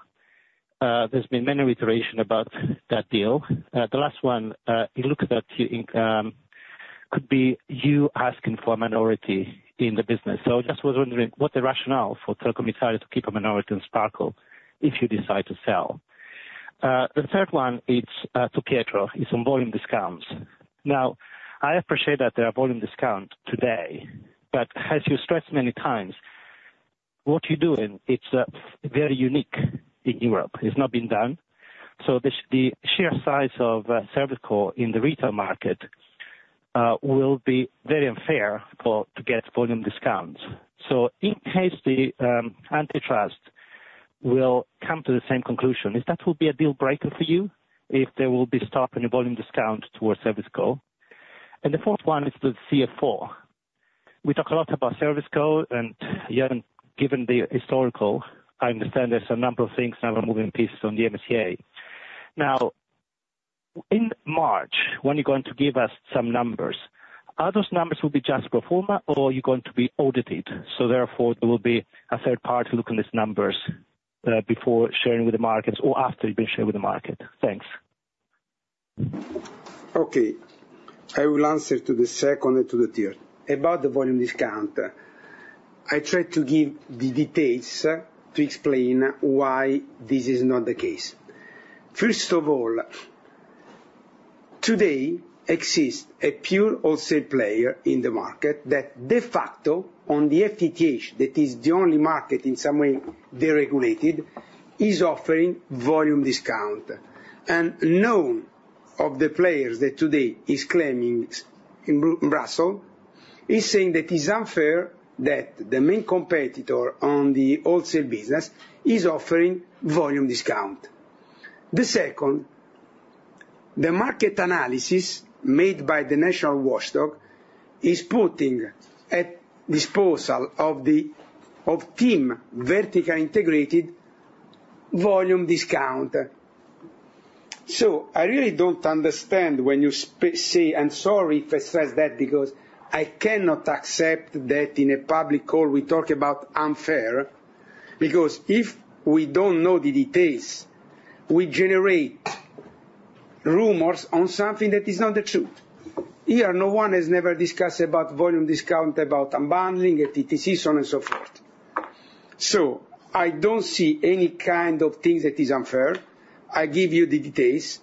There's been many iteration about that deal. The last one, it looked at could be you asking for a minority in the business. So just was wondering what the rationale for Telecom Italia to keep a minority in Sparkle if you decide to sell. The third one, it's to Pietro, is on volume discounts. Now, I appreciate that there are volume discounts today, but as you stressed many times, what you're doing, it's very unique in Europe. It's not been done. So the sheer size of ServiceCo in the retail market will be very unfair to get volume discounts. So in case the antitrust will come to the same conclusion, if that will be a deal breaker for you, if there will be stop in the volume discount towards ServiceCo? And the fourth one is the CF4. We talk a lot about ServiceCo, and you haven't given the historical. I understand there's a number of things that are moving pieces on the MSA. Now, in March, when you're going to give us some numbers, are those numbers will be just pro forma, or are you going to be audited, so therefore, there will be a third party to look on these numbers, before sharing with the markets or after you've been sharing with the market? Thanks. Okay, I will answer to the second and to the third. About the volume discount, I tried to give the details to explain why this is not the case. First of all, today exists a pure wholesale player in the market that de facto on the FTTH, that is the only market in some way deregulated, is offering volume discount. And none of the players that today is claiming in Brussels, is saying that it's unfair that the main competitor on the wholesale business is offering volume discount.... The second, the market analysis made by the National Watchdog is putting at disposal of the vertically integrated TIM volume discount. So I really don't understand when you say, and sorry if I says that, because I cannot accept that in a public call we talk about unfair, because if we don't know the details, we generate rumors on something that is not the truth. Here, no one has never discussed about volume discount, about unbundling, FTTC, so on and so forth. So I don't see any kind of things that is unfair. I give you the details.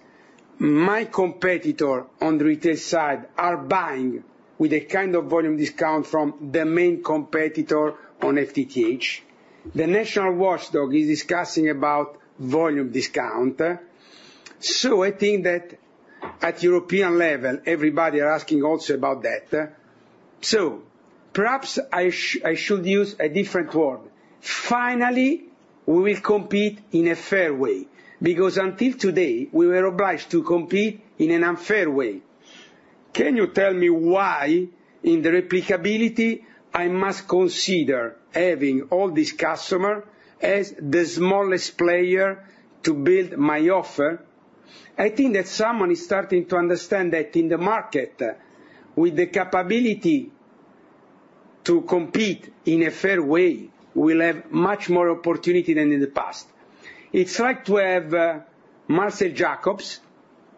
My competitor on the retail side are buying with a kind of volume discount from the main competitor on FTTH. The National Watchdog is discussing about volume discount, so I think that at European level, everybody are asking also about that. So perhaps I should use a different word. Finally, we will compete in a fair way, because until today, we were obliged to compete in an unfair way. Can you tell me why, in the replicability, I must consider having all this customer as the smallest player to build my offer? I think that someone is starting to understand that in the market, with the capability to compete in a fair way, we'll have much more opportunity than in the past. It's like to have, Marcell Jacobs,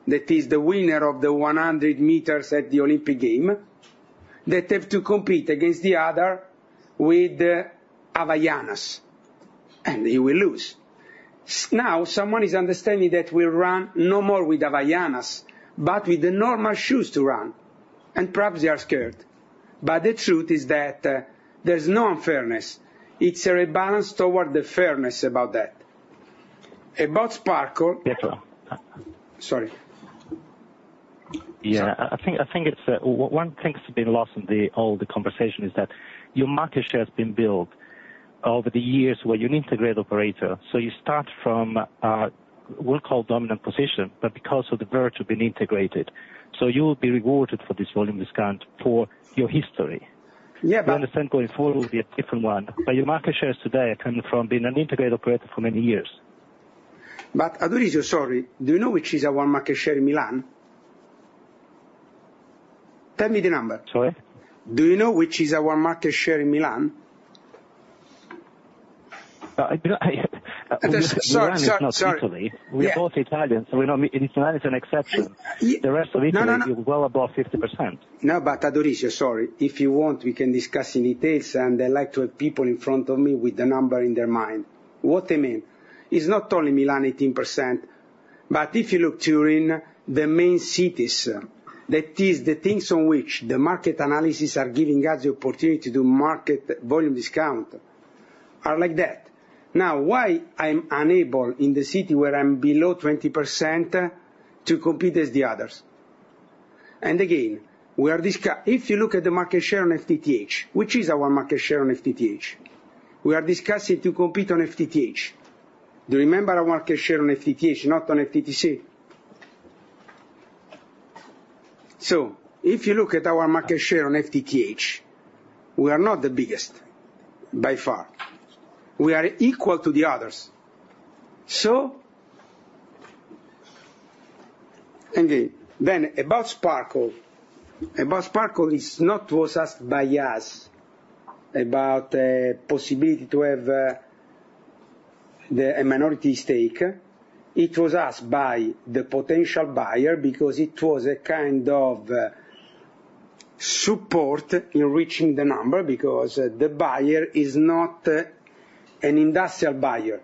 that is the winner of the 100 meters at the Olympic Games, that have to compete against the other with, Havaianas, and he will lose. Now, someone is understanding that we run no more with Havaianas, but with the normal shoes to run, and perhaps they are scared. But the truth is that, there's no unfairness. It's a rebalance toward the fairness about that. About Sparkle- Pietro, uh- Sorry. Yeah, I think it's one thing that's been lost in the... All the conversation is that your market share has been built over the years where you're an integrated operator, so you start from a, we'll call dominant position, but because of the virtue of being integrated, so you will be rewarded for this volume discount for your history. Yeah, but- I understand going forward will be a different one, but your market shares today coming from being an integrated operator for many years. Adorisio, sorry, do you know which is our market share in Milan? Tell me the number. Sorry? Do you know which is our market share in Milan? I do not, Sorry, sorry, sorry. Milan is not Italy. Yeah. We are both Italian, so we know Milan is an exception. Y- The rest of Italy- No, no, no... is well above 50%. No, but Adorisio, sorry. If you want, we can discuss in details, and I like to have people in front of me with the number in their mind. What I mean is not only Milan 18%, but if you look at Turin, the main cities, that is the things on which the market analysis are giving us the opportunity to do market volume discount, are like that. Now, why I'm unable, in the city where I'm below 20%, to compete as the others? And again, if you look at the market share on FTTH, which is our market share on FTTH? We are discussing to compete on FTTH. Do you remember our market share on FTTH, not on FTTC? So if you look at our market share on FTTH, we are not the biggest, by far. We are equal to the others. So... Then about Sparkle. About Sparkle, it was not asked by us about the possibility to have a minority stake. It was asked by the potential buyer because it was a kind of support in reaching the number, because the buyer is not an industrial buyer,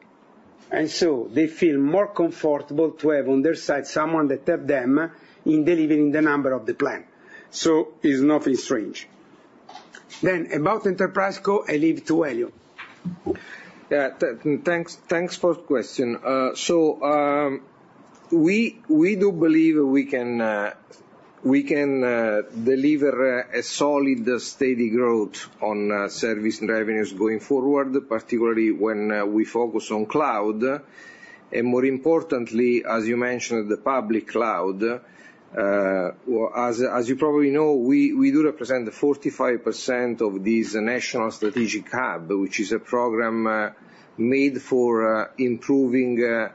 and so they feel more comfortable to have on their side someone that help them in delivering the number of the plan. So it's nothing strange. Then about Enterprise Co, I leave to Elio. Yeah. Thanks, thanks for the question. So, we do believe we can deliver a solid, steady growth on service revenues going forward, particularly when we focus on cloud. And more importantly, as you mentioned, the public cloud, well, as you probably know, we do represent the 45% of these National Strategic Hub, which is a program made for improving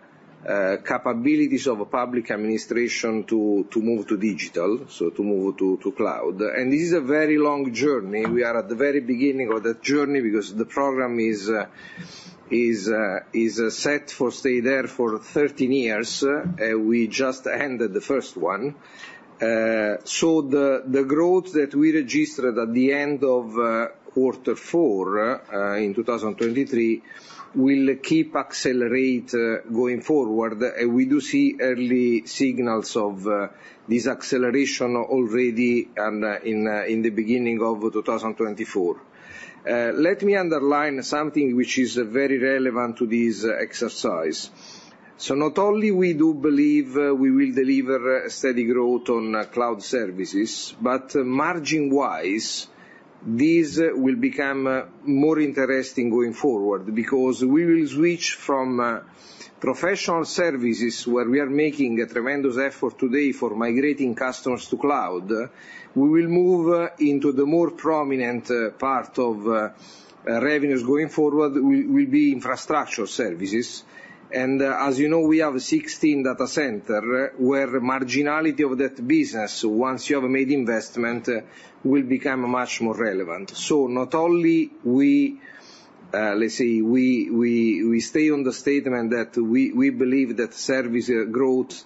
capabilities of a public administration to move to digital, so to move to cloud. And this is a very long journey. We are at the very beginning of that journey because the program is set for stay there for 13 years, and we just ended the first one. So the, the growth that we registered at the end of quarter four in 2023 will keep accelerate going forward. We do see early signals of this acceleration already and in the beginning of 2024. Let me underline something which is very relevant to this exercise. So not only we do believe we will deliver a steady growth on cloud services, but margin-wise-... these will become more interesting going forward, because we will switch from professional services, where we are making a tremendous effort today for migrating customers to cloud. We will move into the more prominent part of revenues going forward will be infrastructure services. And, as you know, we have 16 data centers, where the marginality of that business, once you have made investment, will become much more relevant. So not only we, let's say, we stay on the statement that we believe that service growth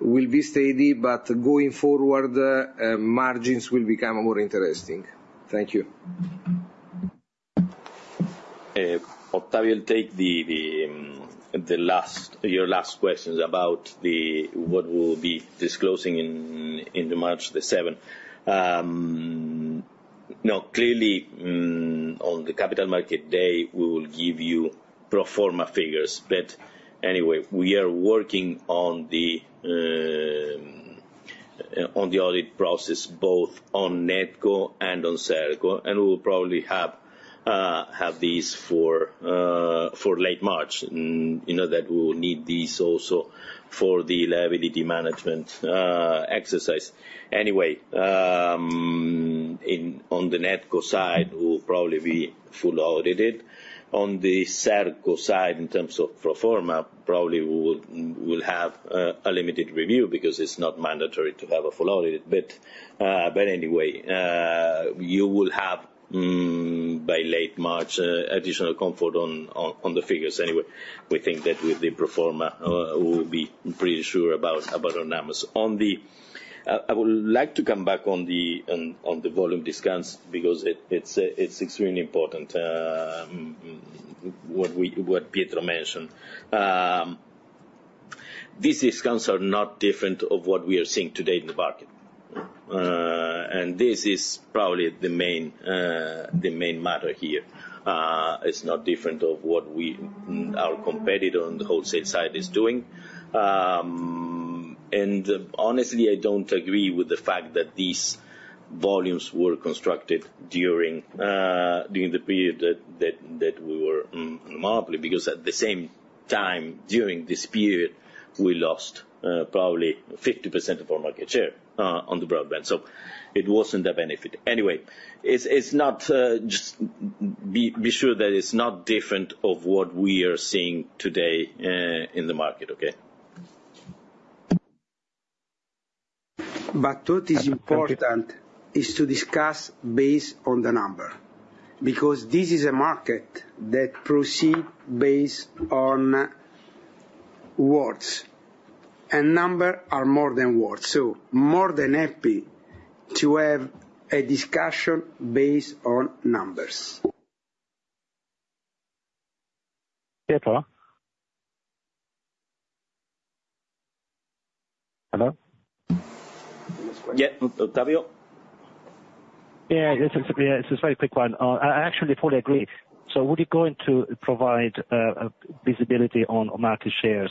will be steady, but going forward, margins will become more interesting. Thank you. Ottavio will take your last questions about what we'll be disclosing in March the seventh. No, clearly, on the Capital Market Day, we will give you pro forma figures. But anyway, we are working on the audit process, both on NetCo and on ServCo, and we will probably have these for late March. You know, that we will need these also for the liability management exercise. Anyway, on the NetCo side, we will probably be fully audited. On the ServCo side, in terms of pro forma, probably we will, we'll have a limited review because it's not mandatory to have a full audit. But anyway, you will have by late March additional comfort on the figures anyway. We think that with the pro forma, we'll be pretty sure about our numbers. I would like to come back on the volume discounts, because it's extremely important what Pietro mentioned. These discounts are not different of what we are seeing today in the market, and this is probably the main matter here. It's not different of what our competitor on the wholesale side is doing. And honestly, I don't agree with the fact that these volumes were constructed during the period that we were merging. Because at the same time, during this period, we lost probably 50% of our market share on the broadband, so it wasn't a benefit. Anyway, it's not... Just be sure that it's not different of what we are seeing today in the market. Okay? What is important is to discuss based on the numbers, because this is a market that proceeds based on words, and numbers are more than words, so more than happy to have a discussion based on numbers. Pietro? Hello? Yeah, Ottavio. Yeah, this is just a very quick one. I actually fully agree. So were you going to provide visibility on market shares,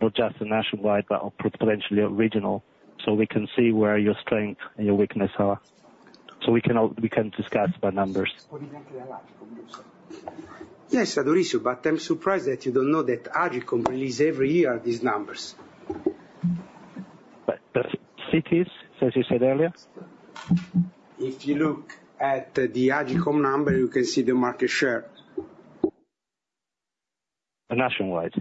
not just the nationwide, but potentially regional, so we can see where your strength and your weakness are, so we can discuss by numbers? Yes, Mauricio, but I'm surprised that you don't know that AGCOM release every year these numbers. But the cities, as you said earlier? If you look at the AGCOM number, you can see the market share. Nationwide.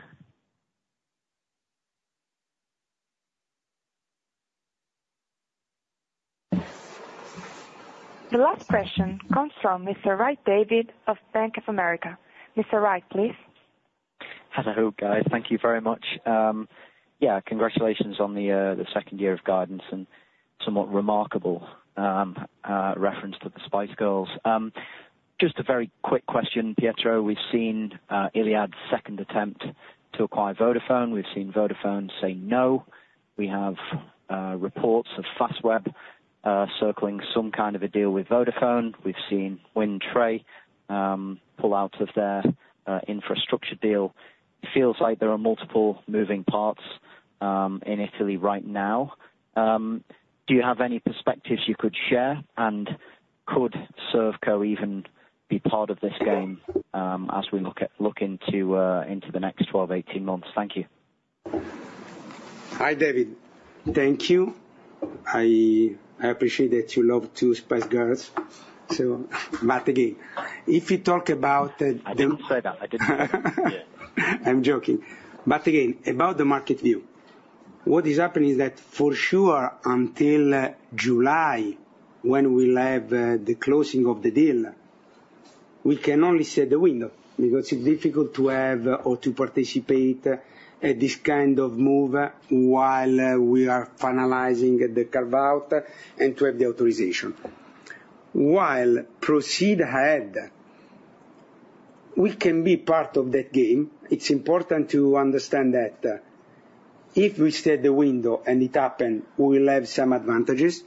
The last question comes from Mr. David Wright of Bank of America. Mr. Wright, please. Hello, guys. Thank you very much. Yeah, congratulations on the second year of guidance and somewhat remarkable reference to the Spice Girls. Just a very quick question, Pietro. We've seen Iliad's second attempt to acquire Vodafone. We've seen Vodafone say no. We have reports of Fastweb circling some kind of a deal with Vodafone. We've seen WindTre pull out of their infrastructure deal. It feels like there are multiple moving parts in Italy right now. Do you have any perspectives you could share? And could ServCo even be part of this game as we look into the next 12, 18 months? Thank you. Hi, David. Thank you. I, I appreciate that you love two Spice Girls, so but again, if you talk about the- I didn't say that. I didn't say that. I'm joking. But again, about the market view, what is happening is that for sure, until July, when we'll have the closing of the deal, we can only set the window, because it's difficult to have or to participate this kind of move while we are finalizing the carve-out and to have the authorization. While proceed ahead, we can be part of that game. It's important to understand that, if we set the window and it happen, we will have some advantages.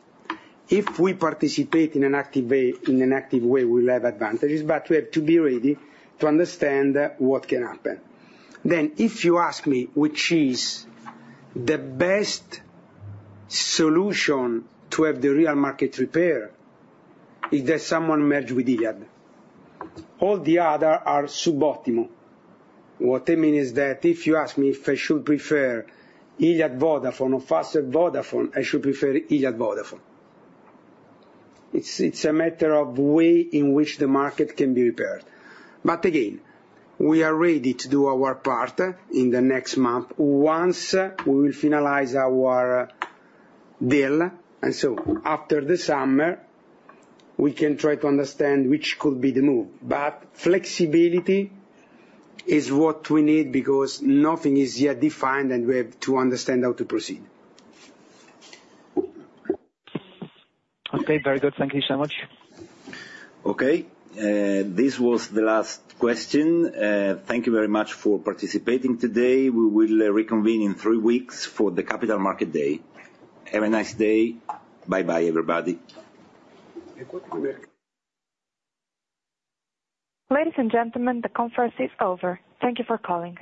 If we participate in an active way, in an active way, we will have advantages, but we have to be ready to understand what can happen. Then, if you ask me, which is the best solution to have the real market repair, is that someone merge with Iliad. All the other are suboptimal. What I mean is that, if you ask me if I should prefer Iliad-Vodafone or Fastweb-Vodafone, I should prefer Iliad-Vodafone. It's, it's a matter of way in which the market can be repaired. But again, we are ready to do our part in the next month, once we will finalize our deal. And so after the summer, we can try to understand which could be the move. But flexibility is what we need, because nothing is yet defined, and we have to understand how to proceed. Okay, very good. Thank you so much. Okay, this was the last question. Thank you very much for participating today. We will reconvene in three weeks for the Capital Market Day. Have a nice day. Bye bye, everybody. Ladies and gentlemen, the conference is over. Thank you for calling.